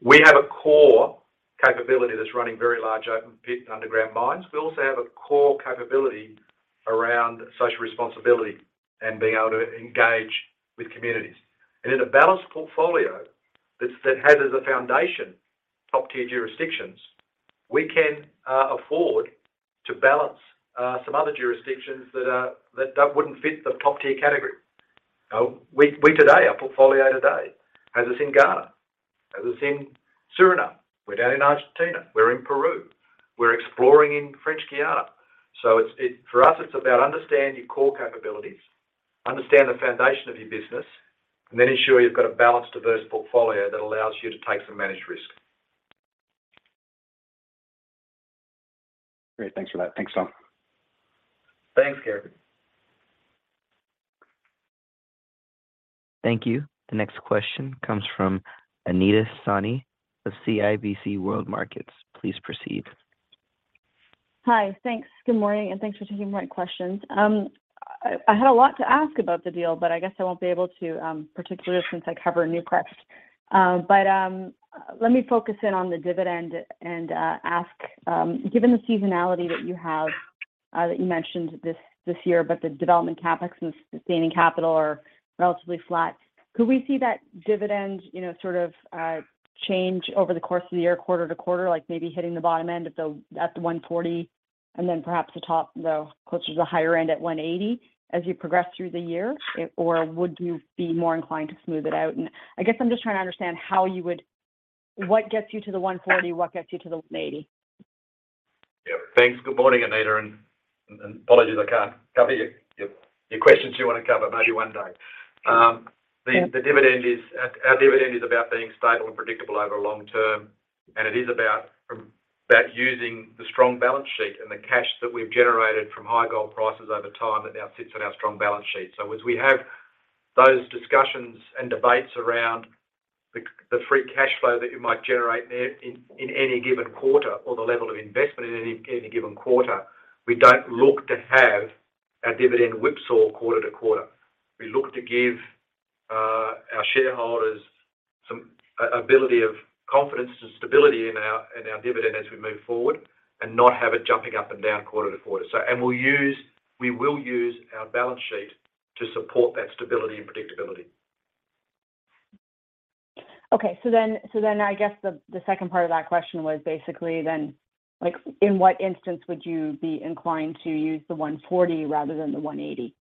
We have a core capability that's running very large open pit underground mines. We also have a core capability around social responsibility and being able to engage with communities. In a balanced portfolio that has as a foundation top-tier jurisdictions, we can afford to balance some other jurisdictions that wouldn't fit the top-tier category. We today, our portfolio today has us in Ghana, has us in Suriname, we're down in Argentina, we're in Peru, we're exploring in French Guiana. It's for us, it's about understanding your core capabilities, understand the foundation of your business, and then ensure you've got a balanced, diverse portfolio that allows you to take some managed risk. Great. Thanks for that. Thanks, Tom. Thanks, Garrett. Thank you. The next question comes from Anita Soni of CIBC World Markets. Please proceed. Hi. Thanks. Good morning, and thanks for taking my questions. I had a lot to ask about the deal, but I guess I won't be able to, particularly since I cover Newcrest. Let me focus in on the dividend and ask, given the seasonality that you have, that you mentioned this year, but the development CapEx and sustaining capital are relatively flat. Could we see that dividend, sort of, change over the course of the year, quarter to quarter, like maybe hitting the bottom end at the $1.40 and then perhaps the top, closer to the higher end at $1.80 as you progress through the year? Or would you be more inclined to smooth it out? I guess I'm just trying to understand how you would... What gets you to the $140, what gets you to the $180? Yeah. Thanks. Good morning, Anita, and apologies I can't cover your, your questions you want to cover. Maybe one day. The dividend our dividend is about being stable and predictable over long term, and it is about using the strong balance sheet and the cash that we've generated from high gold prices over time that now sits on our strong balance sheet. As we have those discussions and debates around the free cash flow that you might generate there in any given quarter or the level of investment in any given quarter, we don't look to have our dividend whipsaw quarter to quarter. We look to give our shareholders some ability of confidence and stability in our, in our dividend as we move forward and not have it jumping up and down quarter to quarter. We will use our balance sheet to support that stability and predictability. I guess the second part of that question was basically then, like in what instance would you be inclined to use the 140 rather than the 180?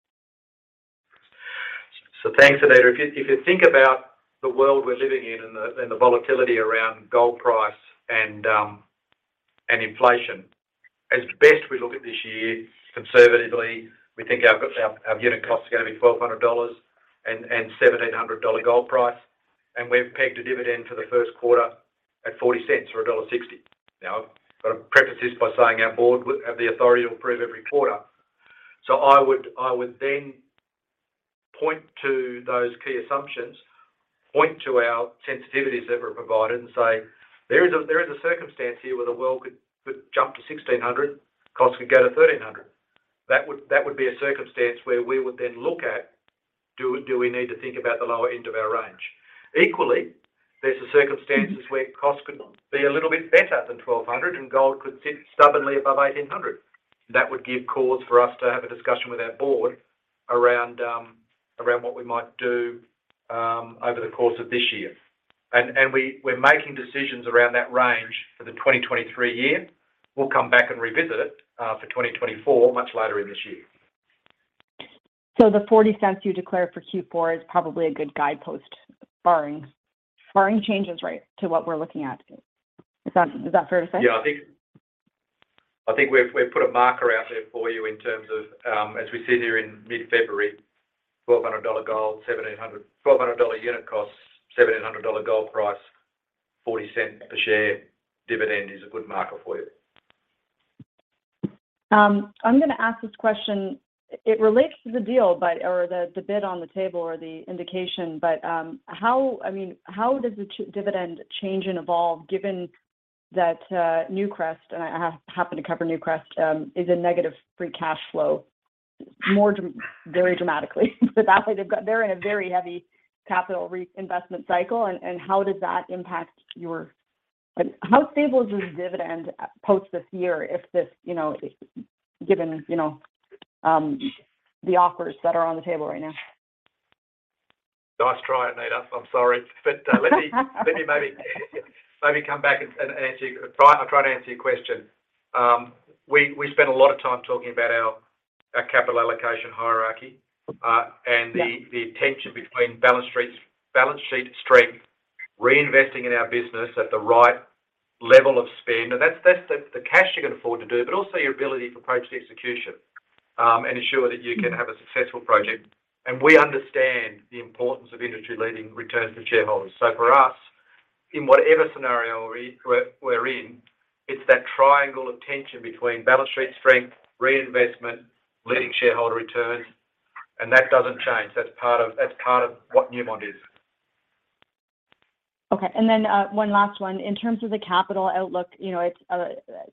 Thanks, Anita. If you think about the world we're living in and the volatility around gold price and inflation, as best we look at this year, conservatively, we think our unit cost is gonna be $1,200 and $1,700 gold price, and we've pegged a dividend for the Q1 at $0.40 or $1.60. Now, I've gotta preface this by saying our board have the authority to approve every quarter. I would then point to those key assumptions, point to our sensitivities that were provided and say, "There is a circumstance here where the world could jump to $1,600, costs could go to $1,300." That would be a circumstance where we would then look at do we need to think about the lower end of our range? Equally, there's the circumstances where costs could be a little bit better than $1,200 and gold could sit stubbornly above $1,800. That would give cause for us to have a discussion with our board around what we might do over the course of this year. We're making decisions around that range for the 2023 year. We'll come back and revisit it for 2024 much later in this year. The $0.40 you declared for Q4 is probably a good guidepost barring changes, right, to what we're looking at? Is that fair to say? Yeah. I think we've put a marker out there for you in terms of, as we sit here in mid-February, $1,200 gold, $1,200 unit cost, $1,700 gold price, $0.40 per share dividend is a good marker for you. I'm gonna ask this question. It relates to the deal, or the bid on the table or the indication, how, I mean, how does the dividend change and evolve given that Newcrest, and I happen to cover Newcrest, is a negative free cash flow very dramatically? That's why they've got they're in a very heavy capital re-investment cycle, and how does that impact? How stable is the dividend post this year if this given, the offers that are on the table right now? Nice try, Anita. I'm sorry. Let me maybe come back and I'll try to answer your question. We spent a lot of time talking about our capital allocation hierarchy. Yeah The tension between balance sheets, balance sheet strength, reinvesting in our business at the right level of spend. That's the cash you can afford to do, but also your ability to approach the execution and ensure that you can have a successful project. We understand the importance of industry-leading returns to shareholders. For us, in whatever scenario we're in, it's that triangle of tension between balance sheet strength, reinvestment, leading shareholder returns, and that doesn't change. That's part of what Newmont is. Okay. One last one. In terms of the capital outlook, it's,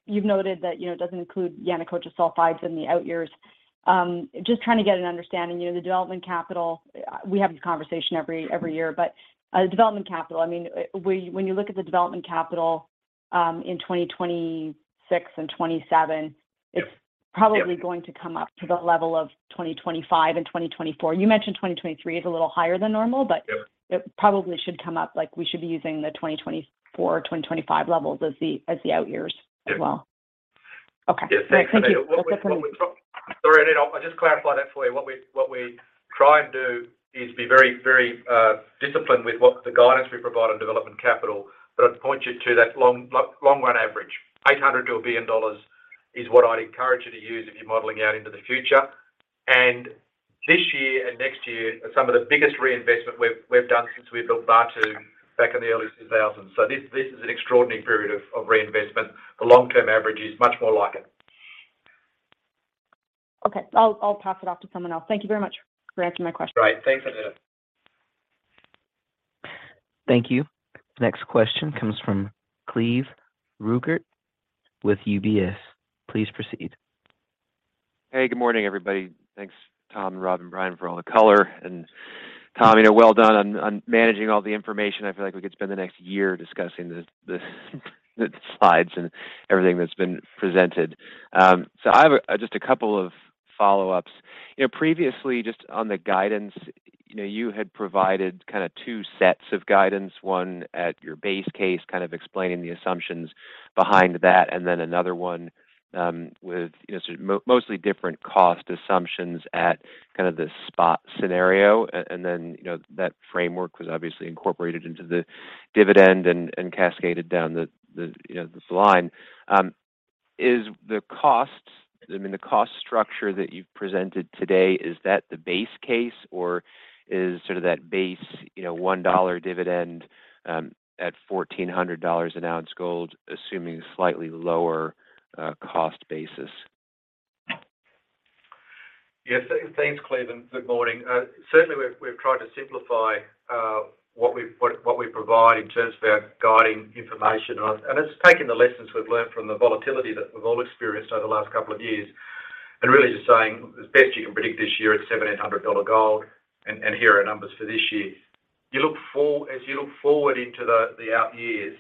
you've noted that, it doesn't include Yanacocha sulfides in the out years. Just trying to get an understanding, the development capital, we have this conversation every year, development capital, I mean, when you look at the development capital, in 2026 and 2027- Yeah. Yeah. It's probably going to come up to the level of 2025 and 2024. You mentioned 2023 is a little higher than normal but. Yep. It probably should come up, like, we should be using the 2024, 2025 levels as the, as the out years as well. Yeah. Okay. Yeah. Thank you. What we try. Sorry, Anita, I'll just clarify that for you. What we try and do is be very, very disciplined with what the guidance we provide on development capital, but I'd point you to that long run average. $800 million to $1 billion is what I'd encourage you to use if you're modeling out into the future. This year and next year are some of the biggest reinvestment we've done since we built Batu Hijau back in the early 2000s. This is an extraordinary period of reinvestment. The long-term average is much more like it. Okay. I'll pass it off to someone else. Thank you very much for answering my question. Great. Thanks, Anita. Thank you. Next question comes from Cleve Rueckert with UBS. Please proceed. Hey, good morning, everybody. Thanks Tom, Rob, and Brian for all the color. Tom, well done on managing all the information. I feel like we could spend the next year discussing the slides and everything that's been presented. I have just a couple of follow-ups. You know, previously, just on the guidance, you had provided kind of 2 sets of guidance, one at your base case, kind of explaining the assumptions behind that, and then another one with, sort of mostly different cost assumptions at kind of the spot scenario. That framework was obviously incorporated into the dividend and cascaded down the, this line. Is the costs, I mean, the cost structure that you've presented today, is that the base case, or is sort of that base, $1 dividend, at $1,400 an ounce gold assuming slightly lower, cost basis? Yes. Thanks, Cleve, and good morning. Certainly we've tried to simplify what we provide in terms of our guiding information. It's taken the lessons we've learned from the volatility that we've all experienced over the last couple of years, really just saying, as best you can predict this year, it's $1,700 gold, here are our numbers for this year. As you look forward into the out years,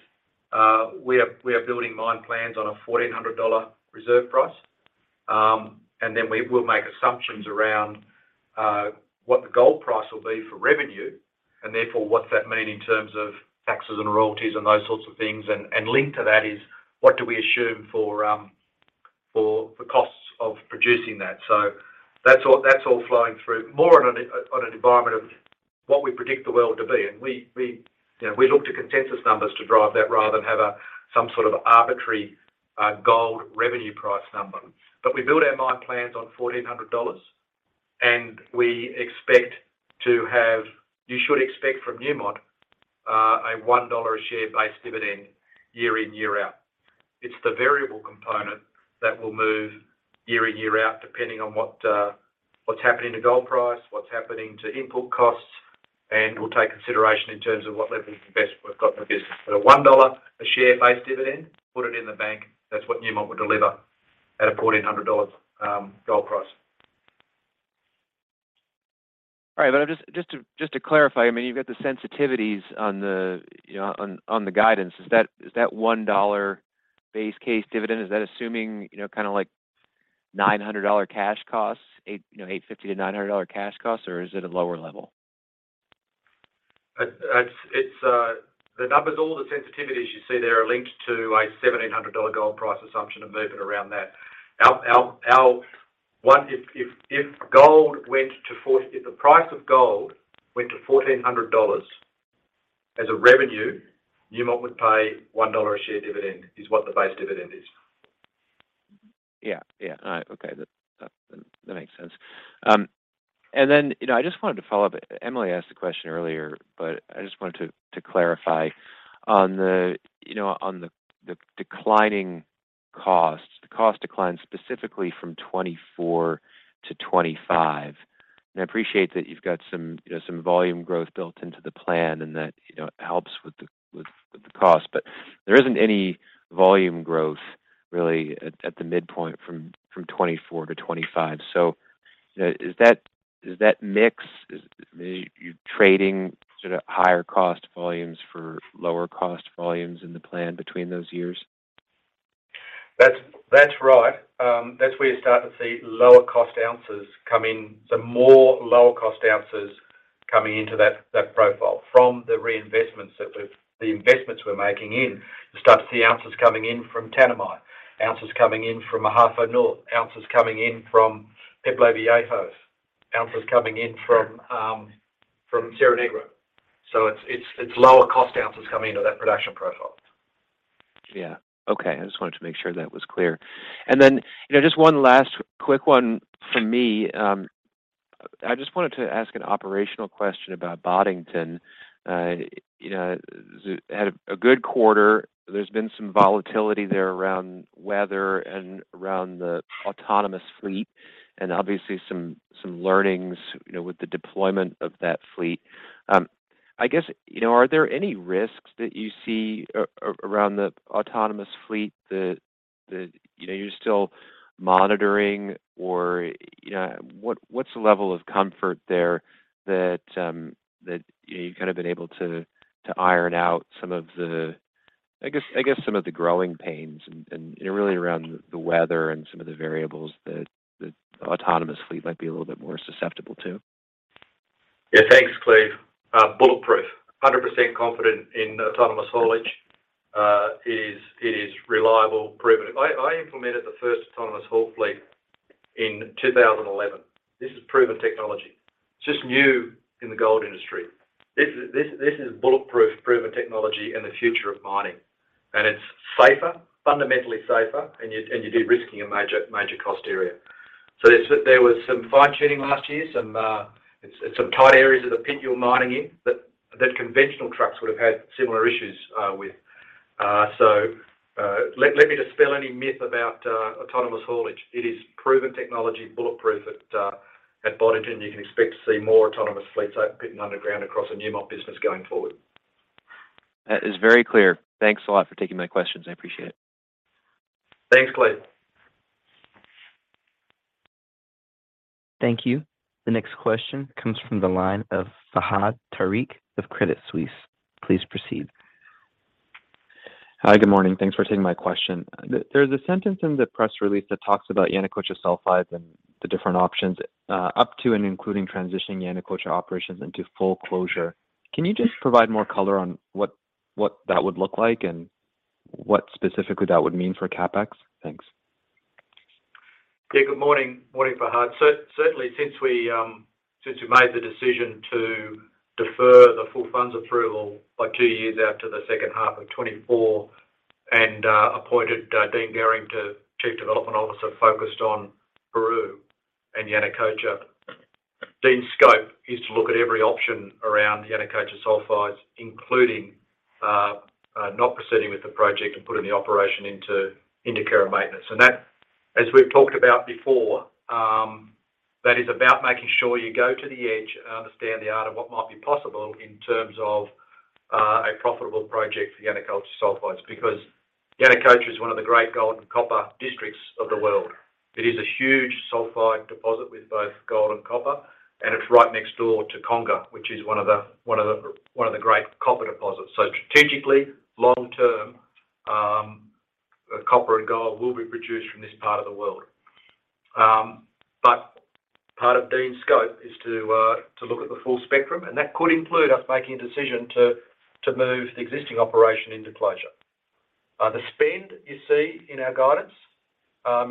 we are building mine plans on a $1,400 reserve price. Then we will make assumptions around what the gold price will be for revenue, therefore what's that mean in terms of taxes and royalties and those sorts of things. Linked to that is what do we assume for the costs of producing that. That's all, that's all flowing through more on an environment of what we predict the world to be. We, look to consensus numbers to drive that rather than have some sort of arbitrary gold revenue price number. We build our mine plans on $1,400, and we expect to have. You should expect from Newmont a $1 a share base dividend year in, year out. It's the variable component that will move year in, year out, depending on what's happening to gold price, what's happening to input costs, and we'll take consideration in terms of what levels are best we've got in the business. A $1 a share base dividend, put it in the bank, that's what Newmont would deliver at a $1,400 gold price. All right. Just to clarify, I mean, you've got the sensitivities on the, guidance. Is that $1 base case dividend, is that assuming, kinda like $900 cash costs, $850-$900 cash costs, or is it a lower level? It's the numbers, all the sensitivities you see there are linked to a $1,700 gold price assumption and moving around that. If the price of gold went to $1,400 as a revenue, Newmont would pay $1 a share dividend, is what the base dividend is. Yeah. Yeah. All right. Okay. That, that makes sense. I just wanted to follow up. Emily asked a question earlier, but I just wanted to clarify. On the, on the declining costs, the cost decline specifically from 2024 to 2025, and I appreciate that you've got some, some volume growth built into the plan and that, helps with the, with the cost, but there isn't any volume growth really at the midpoint from 2024 to 2025. You know, is that mix, I mean, are you trading sort of higher cost volumes for lower cost volumes in the plan between those years? That's right. That's where you're starting to see lower cost ounces coming, so more lower cost ounces coming into that profile from the investments we're making in. You'll start to see ounces coming in from Tanami, ounces coming in from Ahafo North, ounces coming in from Peñasquito, ounces coming in from Cerro Negro. It's lower cost ounces coming into that production profile. Yeah. Okay. I just wanted to make sure that was clear. Just one last quick one from me. I just wanted to ask an operational question about Boddington. You know, had a good quarter. There's been some volatility there around weather and around the autonomous fleet, and obviously some learnings, with the deployment of that fleet. I guess, are there any risks that you see around the autonomous fleet that, you're still monitoring or, what's the level of comfort there that you've kind of been able to iron out some of the, I guess, some of the growing pains, really around the weather and some of the variables that the autonomous fleet might be a little bit more susceptible to? Yeah. Thanks, Cleve. Bulletproof. 100% confident in autonomous haulage, it is reliable, proven. I implemented the first autonomous haul fleet in 2011. This is bulletproof proven technology and the future of mining. It's safer, fundamentally safer, and you de-risk your major cost area. There was some fine-tuning last year, some tight areas of the pit you're mining in that conventional trucks would have had similar issues with. Let me dispel any myth about autonomous haulage. It is proven technology, bulletproof at Boddington. You can expect to see more autonomous fleets at pit and underground across the Newmont business going forward. That is very clear. Thanks a lot for taking my questions. I appreciate it. Thanks, Cleve. Thank you. The next question comes from the line of Fahad Tariq of Credit Suisse. Please proceed. Hi. Good morning. Thanks for taking my question. There's a sentence in the press release that talks about Yanacocha sulfides and the different options, up to and including transitioning Yanacocha operations into full closure. Can you just provide more color on what that would look like and what specifically that would mean for CapEx? Thanks. Good morning. Morning, Fahad. Certainly, since we made the decision to defer the full funds approval by 2 years out to the second half of 2024 and appointed Dean Gehring to Chief Development Officer focused on Peru and Yanacocha. Dean's scope is to look at every option around Yanacocha sulfides, including not proceeding with the project and putting the operation into care and maintenance. That, as we've talked about before, that is about making sure you go to the edge and understand the art of what might be possible in terms of a profitable project for Yanacocha sulfides. Yanacocha is one of the great gold and copper districts of the world. It is a huge sulfide deposit with both gold and copper, and it's right next door to Conga, which is one of the great copper deposits. Strategically, long term, copper and gold will be produced from this part of the world. Part of Dean's scope is to look at the full spectrum, and that could include us making a decision to move the existing operation into closure. The spend you see in our guidance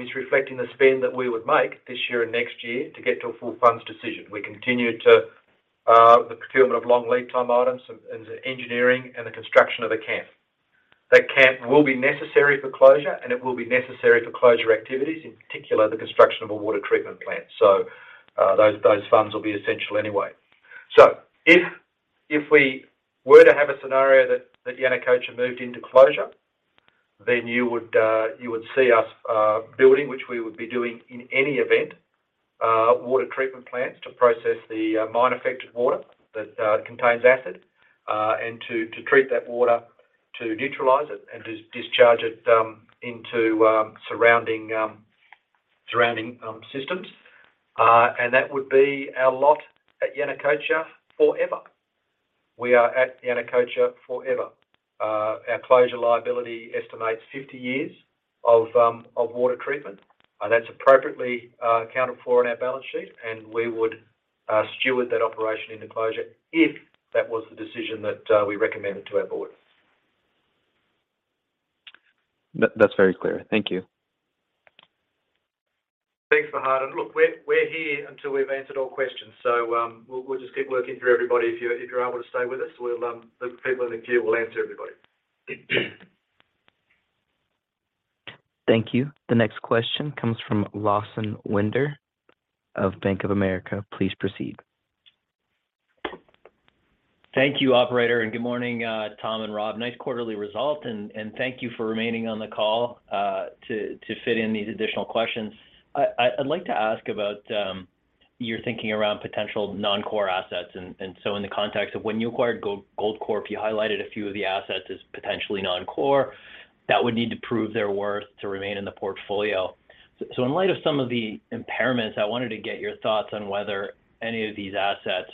is reflecting the spend that we would make this year and next year to get to a full funds decision. We continue to the procurement of long lead time items and the engineering and the construction of a camp. That camp will be necessary for closure, and it will be necessary for closure activities, in particular, the construction of a water treatment plant. Those funds will be essential anyway. If we were to have a scenario that Yanacocha moved into closure, then you would see us building, which we would be doing in any event, water treatment plants to process the mine affected water that contains acid. To treat that water to neutralize it and discharge it into surrounding systems. That would be our lot at Yanacocha forever. We are at Yanacocha forever. Our closure liability estimates 50 years of water treatment, and that's appropriately accounted for on our balance sheet, and we would steward that operation into closure if that was the decision that we recommended to our board. That's very clear. Thank you. Thanks, Fahad. Look, we're here until we've answered all questions, so we'll just keep working through everybody if you're able to stay with us. We'll, the people in the queue will answer everybody. Thank you. The next question comes from Lawson Winder of Bank of America. Please proceed. Thank you, operator, and good morning, Tom and Rob. Nice quarterly result, and thank you for remaining on the call, to fit in these additional questions. I'd like to ask about your thinking around potential non-core assets. In the context of when you acquired Goldcorp, you highlighted a few of the assets as potentially non-core that would need to prove their worth to remain in the portfolio. In light of some of the impairments, I wanted to get your thoughts on whether any of these assets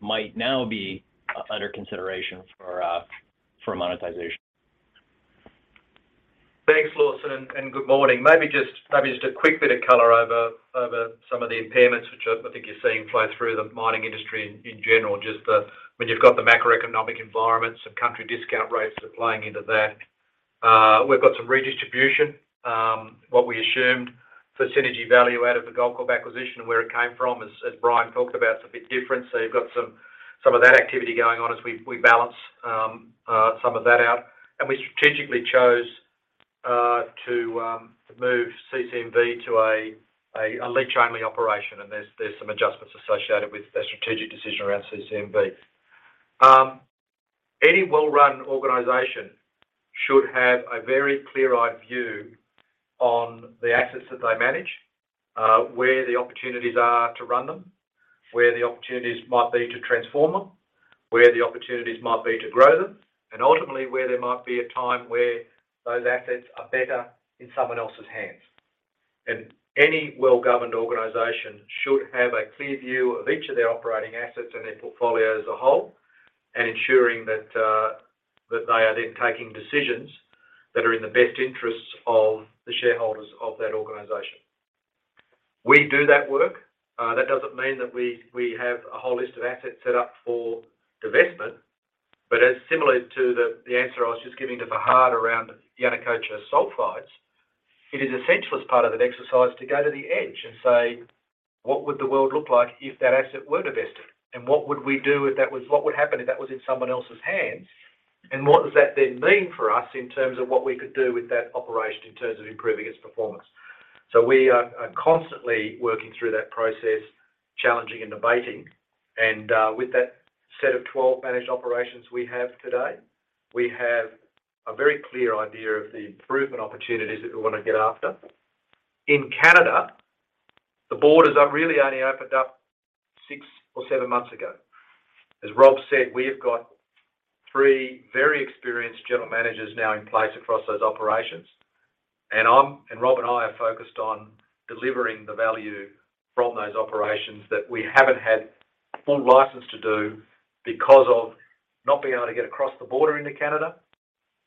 might now be under consideration for monetization. Thanks, Lawson, and good morning. Maybe just a quick bit of color over some of the impairments, which I think you're seeing flow through the mining industry in general. Just the, when you've got the macroeconomic environment, some country discount rates are playing into that. We've got some redistribution. What we assumed the synergy value out of the Goldcorp acquisition and where it came from, as Brian talked about, is a bit different. You've got some of that activity going on as we balance some of that out. We strategically chose to move CC&V to a leach-only operation. There's some adjustments associated with that strategic decision around CC&V. Any well-run organization should have a very clear-eyed view on the assets that they manage, where the opportunities are to run them, where the opportunities might be to transform them, where the opportunities might be to grow them, and ultimately, where there might be a time where those assets are better in someone else's hands. Any well-governed organization should have a clear view of each of their operating assets and their portfolio as a whole and ensuring that they are then taking decisions that are in the best interests of the shareholders of that organization. We do that work. That doesn't mean that we have a whole list of assets set up for divestment. As similar to the answer I was just giving to Fahad around Yanacocha sulfides, it is essential as part of that exercise to go to the edge and say, "What would the world look like if that asset were divested? What would we do what would happen if that was in someone else's hands? What does that then mean for us in terms of what we could do with that operation in terms of improving its performance?" We are constantly working through that process, challenging and debating. With that set of 12 managed operations we have today, we have a very clear idea of the improvement opportunities that we wanna get after. In Canada, the borders have really only opened up 6 or 7 months ago. As Rob said, we have got three very experienced general managers now in place across those operations. Rob and I are focused on delivering the value from those operations that we haven't had full license to do because of not being able to get across the border into Canada,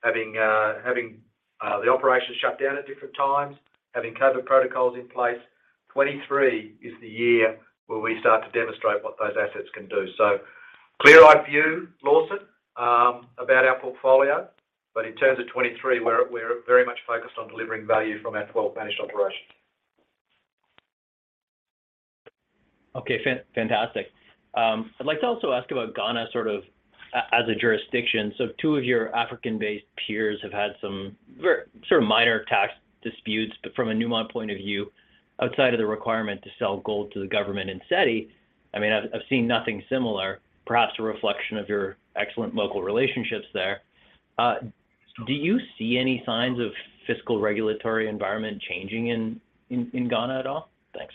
having the operations shut down at different times, having COVID protocols in place. 2023 is the year where we start to demonstrate what those assets can do. Clear-eyed view, Lawson, about our portfolio. In terms of 2023, we're very much focused on delivering value from our 12 managed operations. Fantastic. I'd like to also ask about Ghana as a jurisdiction. Two of your African-based peers have had some sort of minor tax disputes. From a Newmont point of view, outside of the requirement to sell gold to the government in SETI, I mean, I've seen nothing similar, perhaps a reflection of your excellent local relationships there. Do you see any signs of fiscal regulatory environment changing in Ghana at all? Thanks.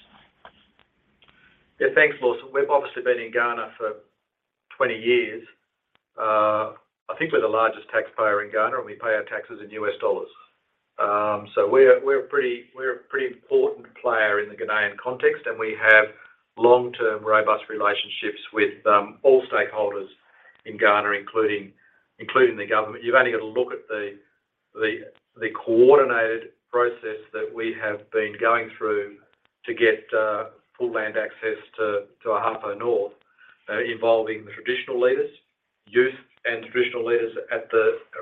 Thanks, Lawson. We've obviously been in Ghana for 20 years. I think we're the largest taxpayer in Ghana. We pay our taxes in $. We're a pretty important player in the Ghanaian context. We have long-term, robust relationships with all stakeholders in Ghana, including the government. You've only got to look at the coordinated process that we have been going through to get full land access to Ahafo North, involving the traditional leaders, youth and traditional leaders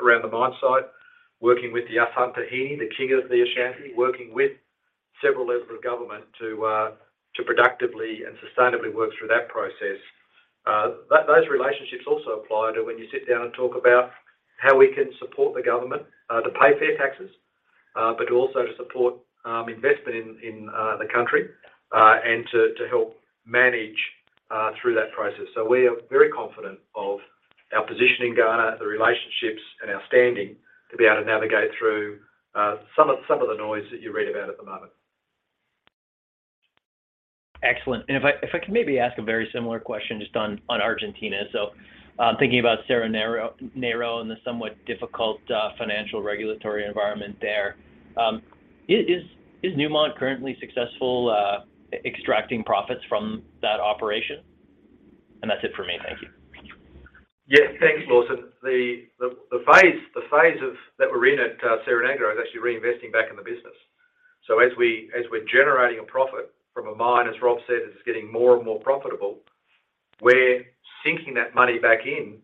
around the mine site, working with the Asantehene, the king of the Ashanti, working with several levels of government to productively and sustainably work through that process. Those relationships also apply to when you sit down and talk about how we can support the government, to pay fair taxes, but also to support investment in the country, and to help manage through that process. We are very confident of our position in Ghana, the relationships and our standing to be able to navigate through some of the noise that you read about at the moment. Excellent. if I can maybe ask a very similar question just on Argentina. thinking about Cerro Negro and the somewhat difficult financial regulatory environment there, is Newmont currently successful extracting profits from that operation? That's it for me. Thank you. Yeah. Thanks, Lawson. The phase that we're in at Cerro Negro is actually reinvesting back in the business. As we're generating a profit from a mine, as Rob said, it's getting more and more profitable, we're sinking that money back in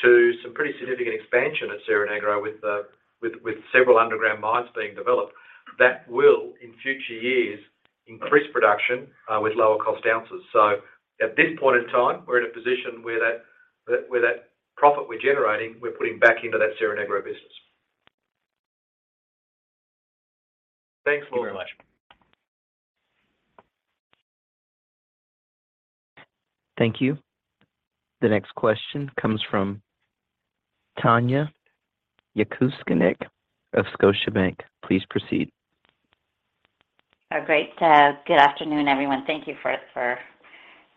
to some pretty significant expansion at Cerro Negro with several underground mines being developed that will, in future years, increase production with lower cost ounces. At this point in time, we're in a position where that profit we're generating, we're putting back into that Cerro Negro business. Thanks, Lawson. Thank you very much. Thank you. The next question comes from Tanya Jakusconek of Scotiabank. Please proceed. Great. Good afternoon, everyone. Thank you for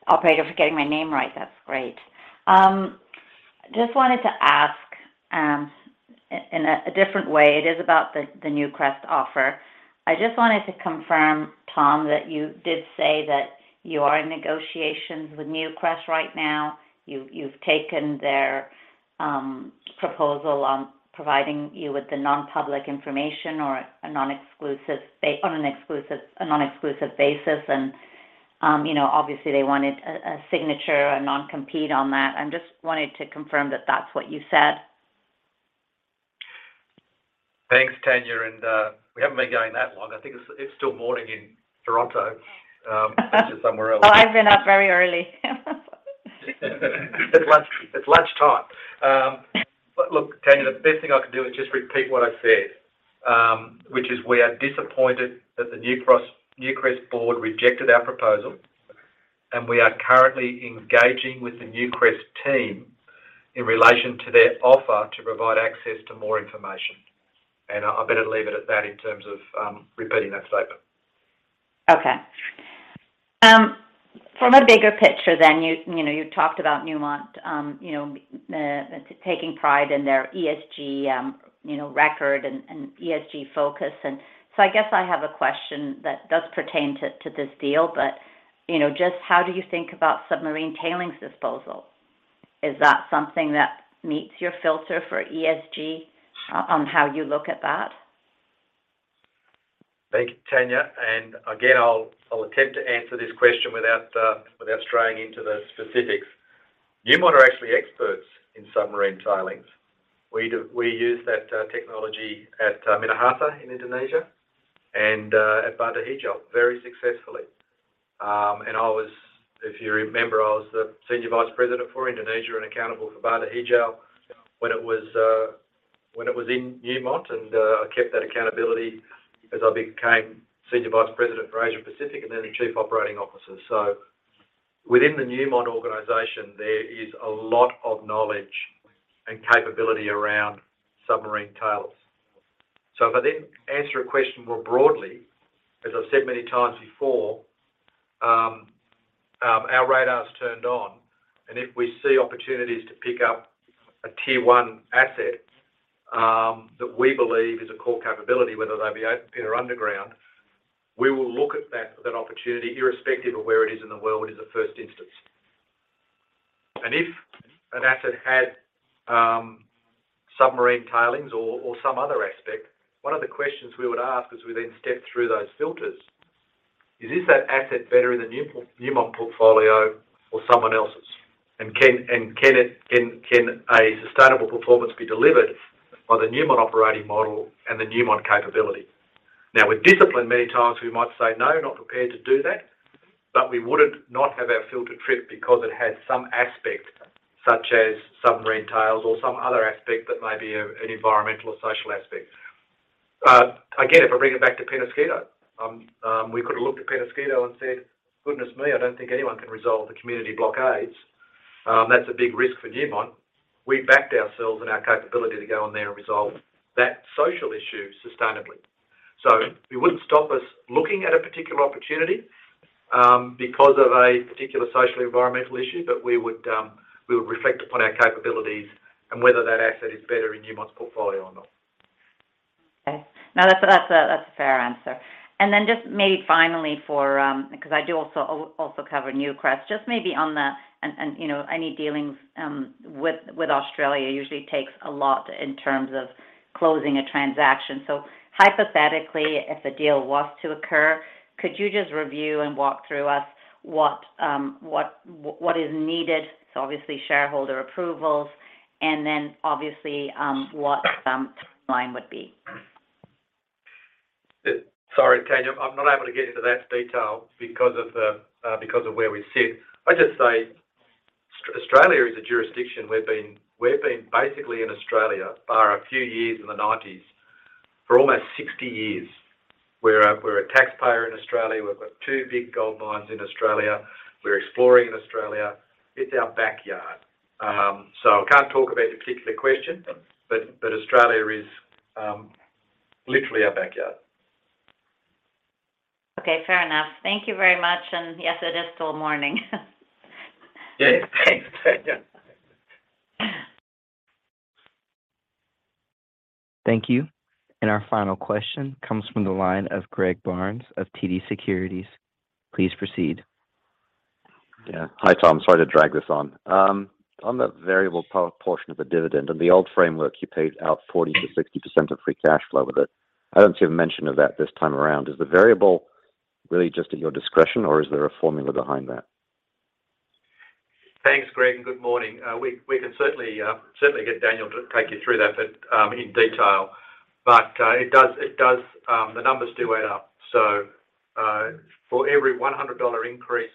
operator for getting my name right. That's great. Just wanted to ask, in a different way, it is about the Newcrest offer. I just wanted to confirm, Tom, that you did say that you are in negotiations with Newcrest right now. You've taken their proposal on providing you with the non-public information or a non-exclusive basis. You know, obviously, they wanted a signature, a non-compete on that. I just wanted to confirm that that's what you said. Thanks, Tanya. We haven't been going that long. I think it's still morning in Toronto. Which is somewhere else. Oh, I've been up very early. It's lunch, it's lunchtime. Look, Tanya, the best thing I can do is just repeat what I said, which is we are disappointed that the Newcrest board rejected our proposal. We are currently engaging with the Newcrest team in relation to their offer to provide access to more information. I better leave it at that in terms of repeating that statement. Okay. From a bigger picture, you talked about Newmont, taking pride in their ESG, record and ESG focus. I guess I have a question that does pertain to this deal, just how do you think about submarine tailings disposal? Is that something that meets your filter for ESG on how you look at that? Thank you, Tanya. Again, I'll attempt to answer this question without straying into the specifics. Newmont are actually experts in submarine tailings. We use that technology at Minahasa in Indonesia and at Batu Hijau very successfully. I was... If you remember, I was the Senior Vice President for Indonesia and accountable for Batu Hijau when it was in Newmont. I kept that accountability as I became Senior Vice President for Asia Pacific and then the Chief Operating Officer. Within the Newmont organization, there is a lot of knowledge and capability around submarine tailings. If I then answer a question more broadly, as I've said many times before, our radar's turned on, and if we see opportunities to pick up a tier one asset, that we believe is a core capability, whether they be open pit or underground, we will look at that opportunity irrespective of where it is in the world in the first instance. If an asset had submarine tailings or some other aspect, one of the questions we would ask as we then step through those filters is that asset better in the Newmont portfolio or someone else's? Can a sustainable performance be delivered by the Newmont operating model and the Newmont capability? Now, with discipline, many times we might say, "No, not prepared to do that," but we wouldn't not have our filter tripped because it has some aspect such as submarine tails or some other aspect that may be an environmental or social aspect. Again, if I bring it back to Peñasquito, we could have looked at Peñasquito and said, "Goodness me, I don't think anyone can resolve the community blockades. That's a big risk for Newmont." We backed ourselves and our capability to go in there and resolve that social issue sustainably. So it wouldn't stop us looking at a particular opportunity, because of a particular social or environmental issue, but we would, we would reflect upon our capabilities and whether that asset is better in Newmont's portfolio or not. Okay. No, that's a fair answer. Just maybe finally for, because I do also cover Newcrest, just maybe on the any dealings with Australia usually takes a lot in terms of closing a transaction. Hypothetically, if a deal was to occur, could you just review and walk through us what is needed? Obviously shareholder approvals, and then obviously, what timeline would be? Sorry, Tanya. I'm not able to get into that detail because of because of where we sit. I'd just say Australia is a jurisdiction. We've been basically in Australia bar a few years in the nineties for almost 60 years. We're a taxpayer in Australia. We've got 2 big gold mines in Australia. We're exploring in Australia. It's our backyard. I can't talk about a particular question, but Australia is literally our backyard. Okay. Fair enough. Thank You very much. Yes, it is still morning. Yeah. Thanks, Tanya. Thank you. Our final question comes from the line of Greg Barnes of TD Securities. Please proceed. Yeah. Hi, Tom. Sorry to drag this on. On the variable portion of the dividend, on the old framework, you paid out 40% to 60% of free cash flow with it. I don't see a mention of that this time around. Is the variable really just at your discretion, or is there a formula behind that? Thanks, Greg, and good morning. We can certainly get Daniel to take you through that but in detail. It does, the numbers do add up. For every $100 increase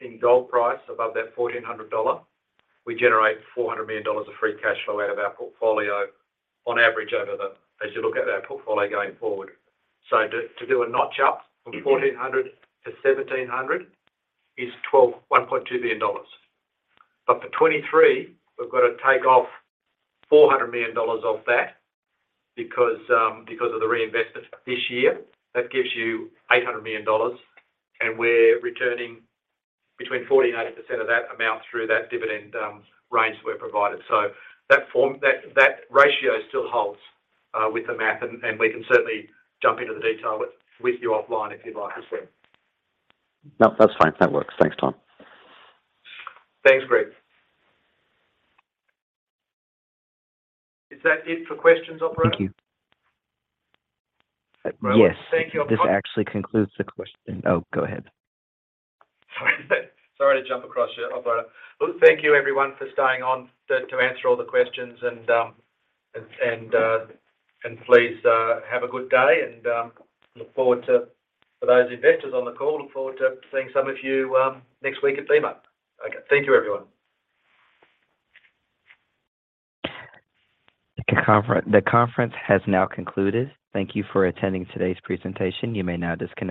in gold price above that $1,400, we generate $400 million of free cash flow out of our portfolio on average over the, as you look at our portfolio going forward. To do a notch up from $1,400 to $1,700 is $1.2 billion. For 2023, we've got to take off $400 million off that because of the reinvestment this year. That gives you $800 million, and we're returning between 40% and 80% of that amount through that dividend range we're provided. That form, that ratio still holds with the math, and we can certainly jump into the detail with you offline if you'd like to, Greg. No, that's fine. That works. Thanks, Tom. Thanks, Greg. Is that it for questions, operator? Thank you. Well, thank you. Yes. This actually concludes the question. Oh, go ahead. Sorry to jump across you, operator. Thank you everyone for staying on to answer all the questions and please have a good day and look forward to, for those investors on the call, look forward to seeing some of you next week at PDAC. Okay. Thank you, everyone. The conference has now concluded. Thank you for attending today's presentation. You may now disconnect.